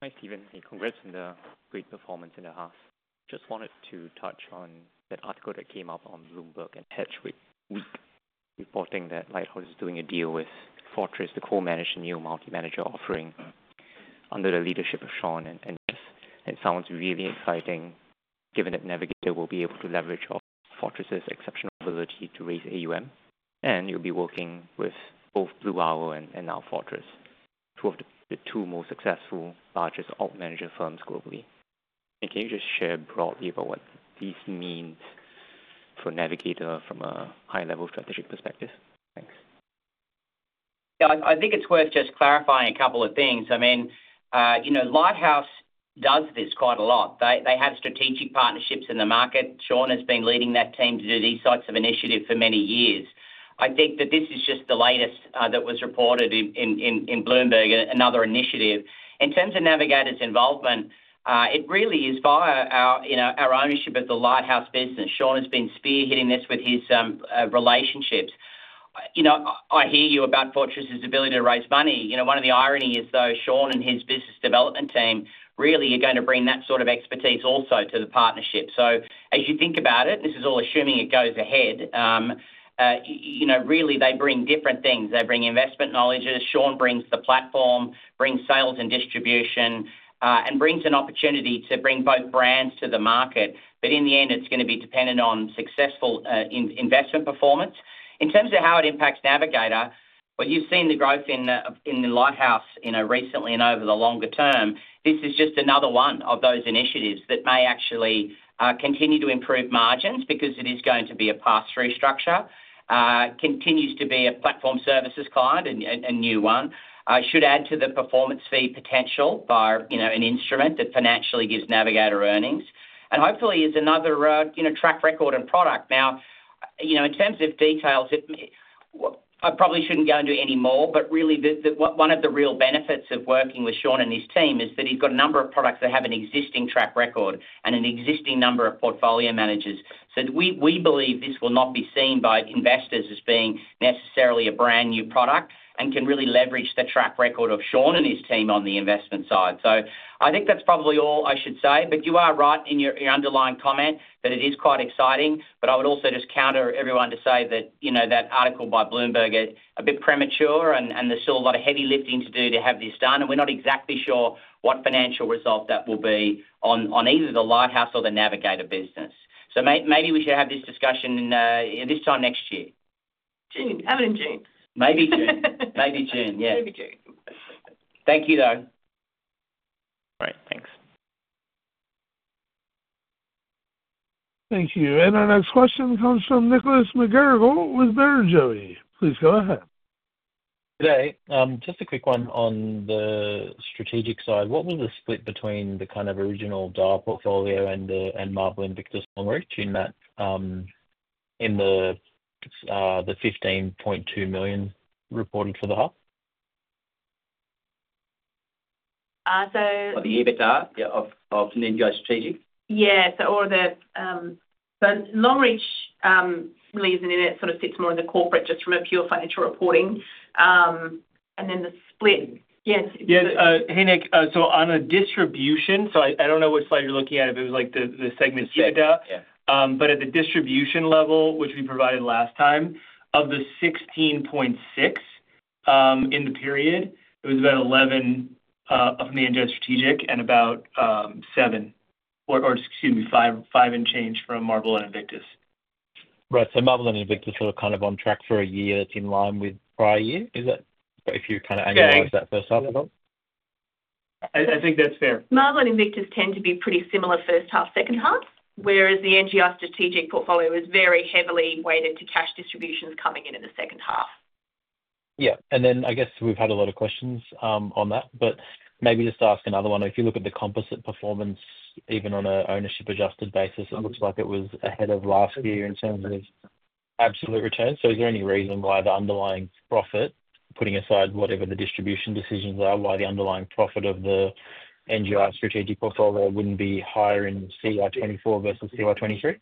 Hi, Stephen. Hey, congrats on the great performance in the half. Just wanted to touch on that article that came up on Bloomberg and Hedge Week reporting that Lighthouse is doing a deal with Fortress to co-manage a new multi-manager offering under the leadership of Sean and Jeff. It sounds really exciting given that Navigator will be able to leverage Fortress's exceptional ability to raise AUM. And you'll be working with both Blue Owl and now Fortress, two of the two most successful, largest alt-manager firms globally. And can you just share broadly about what this means for Navigator from a high-level strategic perspective? Thanks. Yeah. I think it's worth just clarifying a couple of things. I mean, Lighthouse does this quite a lot. They have strategic partnerships in the market. Sean has been leading that team to do these types of initiatives for many years. I think that this is just the latest that was reported in Bloomberg, another initiative. In terms of Navigator's involvement, it really is via our ownership of the Lighthouse business. Sean has been spearheading this with his relationships. I hear you about Fortress's ability to raise money. One of the ironies is, though, Sean and his business development team really are going to bring that sort of expertise also to the partnership. So as you think about it, and this is all assuming it goes ahead, really, they bring different things. They bring investment knowledge. Sean brings the platform, brings sales and distribution, and brings an opportunity to bring both brands to the market. But in the end, it's going to be dependent on successful investment performance. In terms of how it impacts Navigator, well, you've seen the growth in Lighthouse recently and over the longer term. This is just another one of those initiatives that may actually continue to improve margins because it is going to be a pass-through structure, continues to be a platform services client, a new one, should add to the performance fee potential by an instrument that financially gives Navigator earnings, and hopefully is another track record and product. Now, in terms of details, I probably shouldn't go into any more, but really, one of the real benefits of working with Sean and his team is that he's got a number of products that have an existing track record and an existing number of portfolio managers, so we believe this will not be seen by investors as being necessarily a brand new product and can really leverage the track record of Sean and his team on the investment side, so I think that's probably all I should say, but you are right in your underlying comment that it is quite exciting, but I would also just counter everyone to say that that article by Bloomberg is a bit premature, and there's still a lot of heavy lifting to do to have this done. We're not exactly sure what financial result that will be on either the Lighthouse or the Navigator business. Maybe we should have this discussion this time next year. June. Have it in June. Maybe June. Maybe June. Yeah. Maybe June. Thank you, though. All right. Thanks. Thank you, and our next question comes from Nicholas Bouris with Bell Potter. Please go ahead. Today, just a quick one on the strategic side. What was the split between the kind of original Dyal portfolio and Marble, Invictus, Longreach in the $15.2 million reported for the hub? The EBITDA of NGI Strategic? Yeah. So all of the but Longreach really isn't in it. It sort of sits more in the corporate just from a pure financial reporting. And then the split. Yeah. Yeah. On a distribution, I don't know which slide you're looking at. If it was like the segment EBITDA. But at the distribution level, which we provided last time, of the 16.6 in the period, it was about 11 from NGI Strategic and about 7 or, excuse me, 5 and change from Marble and Invictus. Right. So Marble and Invictus are kind of on track for a year that's in line with prior year? Is that if you kind of analyze that first half at all? I think that's fair. Marble and Invictus tend to be pretty similar first half, second half, whereas the NGI Strategic portfolio was very heavily weighted to cash distributions coming in in the second half. Yeah. And then I guess we've had a lot of questions on that, but maybe just to ask another one. If you look at the composite performance, even on an ownership-adjusted basis, it looks like it was ahead of last year in terms of absolute return. So is there any reason why the underlying profit, putting aside whatever the distribution decisions are, why the underlying profit of the NGI Strategic portfolio wouldn't be higher in CY24 versus CY23?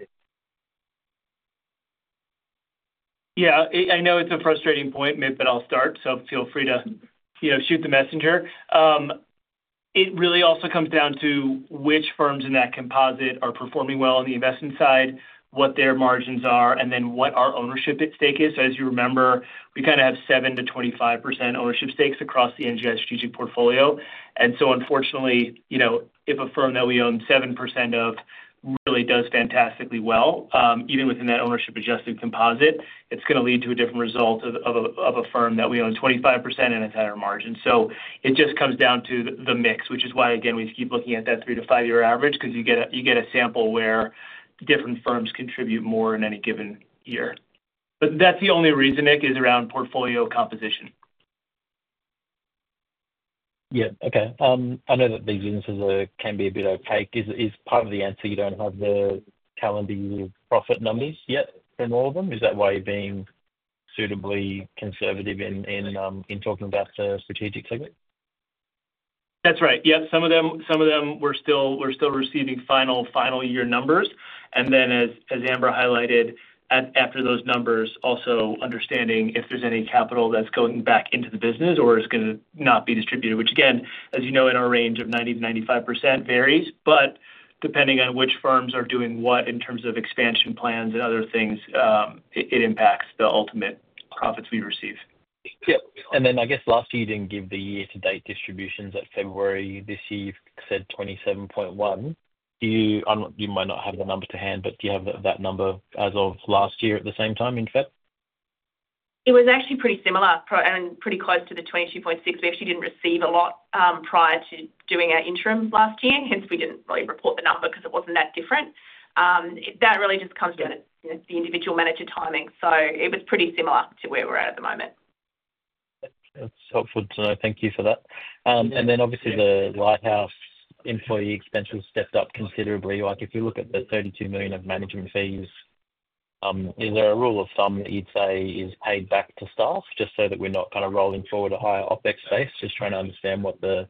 Yeah. I know it's a frustrating point, Nick, but I'll start. So feel free to shoot the messenger. It really also comes down to which firms in that composite are performing well on the investment side, what their margins are, and then what our ownership stake is. So as you remember, we kind of have 7%-25% ownership stakes across the NGI Strategic portfolio. And so, unfortunately, if a firm that we own 7% of really does fantastically well, even within that ownership-adjusted composite, it's going to lead to a different result of a firm that we own 25% and a tighter margin. So it just comes down to the mix, which is why, again, we keep looking at that 3-5-year average because you get a sample where different firms contribute more in any given year. But that's the only reason, Nick, is around portfolio composition. Yeah. Okay. I know that these answers can be a bit opaque. Is part of the answer you don't have the calendar year profit numbers yet from all of them? Is that why you're being suitably conservative in talking about the strategic segment? That's right. Yep. Some of them we're still receiving final year numbers. And then, as Amber highlighted, after those numbers, also understanding if there's any capital that's going back into the business or is going to not be distributed, which, again, as you know, in our range of 90%-95%, varies. But depending on which firms are doing what in terms of expansion plans and other things, it impacts the ultimate profits we receive. Yeah. And then I guess last year, you didn't give the year-to-date distributions at February. This year, you said 27.1. You might not have the numbers to hand, but do you have that number as of last year at the same time in February? It was actually pretty similar and pretty close to the 22.6. We actually didn't receive a lot prior to doing our interim last year. Hence, we didn't really report the number because it wasn't that different. That really just comes down to the individual manager timing. So it was pretty similar to where we're at at the moment. That's helpful to know. Thank you for that. And then, obviously, the Lighthouse employee expenses stepped up considerably. If you look at the $32 million of management fees, is there a rule of thumb that you'd say is paid back to staff just so that we're not kind of rolling forward a higher OPEX base? Just trying to understand what the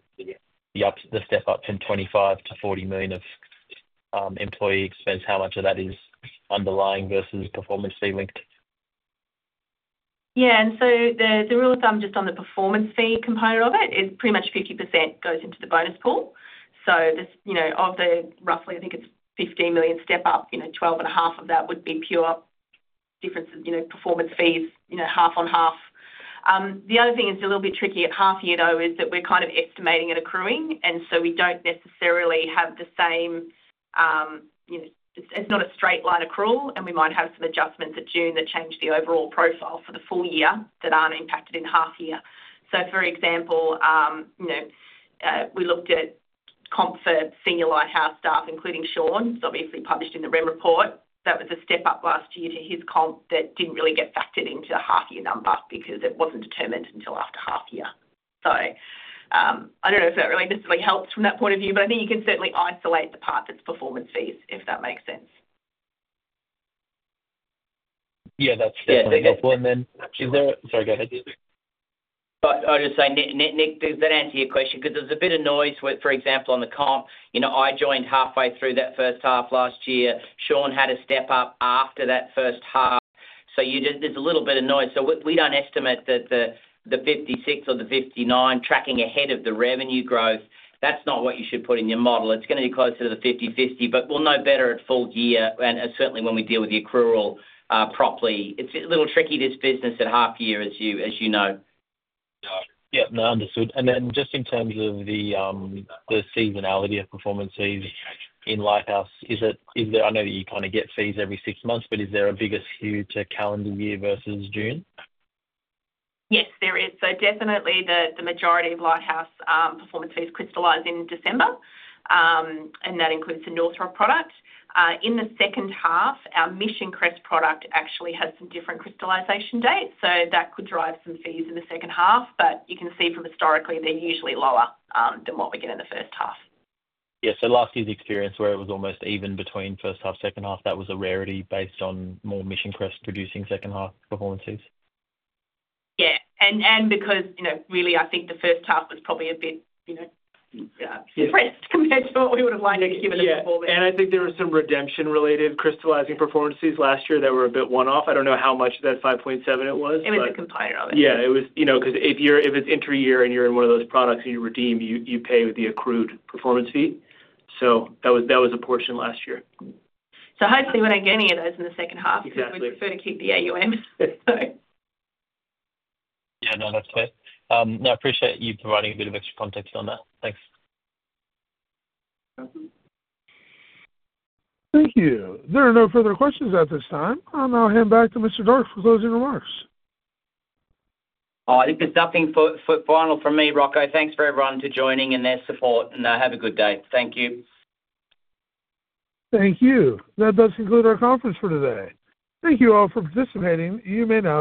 step-up from $25 million to $40 million of employee expense, how much of that is underlying versus performance-linked? Yeah. And so the rule of thumb just on the performance fee component of it, pretty much 50% goes into the bonus pool. So of the roughly $15 million step-up, $12.5 million of that would be pure performance fees, half on half. The other thing is a little bit tricky at half year, though, is that we're kind of estimating it accruing. And so we don't necessarily have the same. It's not a straight line accrual. And we might have some adjustments at June that change the overall profile for the full year that aren't impacted in half year. So, for example, we looked at comp for senior Lighthouse staff, including Sean. It's obviously published in the REM report. That was a step-up last year to his comp that didn't really get factored into the half-year number because it wasn't determined until after half year. So I don't know if that really necessarily helps from that point of view, but I think you can certainly isolate the part that's performance fees, if that makes sense. Yeah. That's definitely helpful, and then is there? Sorry. Go ahead. I was just saying, Nick, does that answer your question? Because there's a bit of noise, for example, on the comp. I joined halfway through that first half last year. Sean had a step-up after that first half. So, there's a little bit of noise. So, we don't estimate that the 56 or the 59 tracking ahead of the revenue growth, that's not what you should put in your model. It's going to be closer to the 50/50, but we'll know better at full year. And certainly, when we deal with the accrual properly, it's a little tricky, this business at half year, as you know. Yeah. No, understood. And then just in terms of the seasonality of performance fees in Lighthouse, I know that you kind of get fees every six months, but is there a bigger skew to calendar year versus June? Yes, there is. So definitely, the majority of Lighthouse performance fees crystallize in December, and that includes the North Rock product. In the second half, our Mission Crest product actually has some different crystallization dates, so that could drive some fees in the second half, but you can see historically, they're usually lower than what we get in the first half. Yeah. So last years' experience where it was almost even between first half, second half, that was a rarity based on more Mission Crest producing second half performance fees? Yeah, and because really, I think the first half was probably a bit suppressed compared to what we would have liked to give in the performance. Yeah, and I think there were some redemption-related crystallizing performance fees last year that were a bit one-off. I don't know how much that 5.7 it was, but. It was a component of it. Yeah. It was because if it's inter-year and you're in one of those products and you redeem, you pay with the accrued performance fee. So that was a portion last year. So hopefully, we don't get any of those in the second half. We'd prefer to keep the AUM, so. Yeah. No, that's fair. No, I appreciate you providing a bit of extra context on that. Thanks. Thank you. There are no further questions at this time. I'll now hand back to Mr. Darke for closing remarks. If there's nothing final from me, Rocco, thanks for everyone for joining and their support. And have a good day. Thank you. Thank you. That does conclude our conference for today. Thank you all for participating. You may now.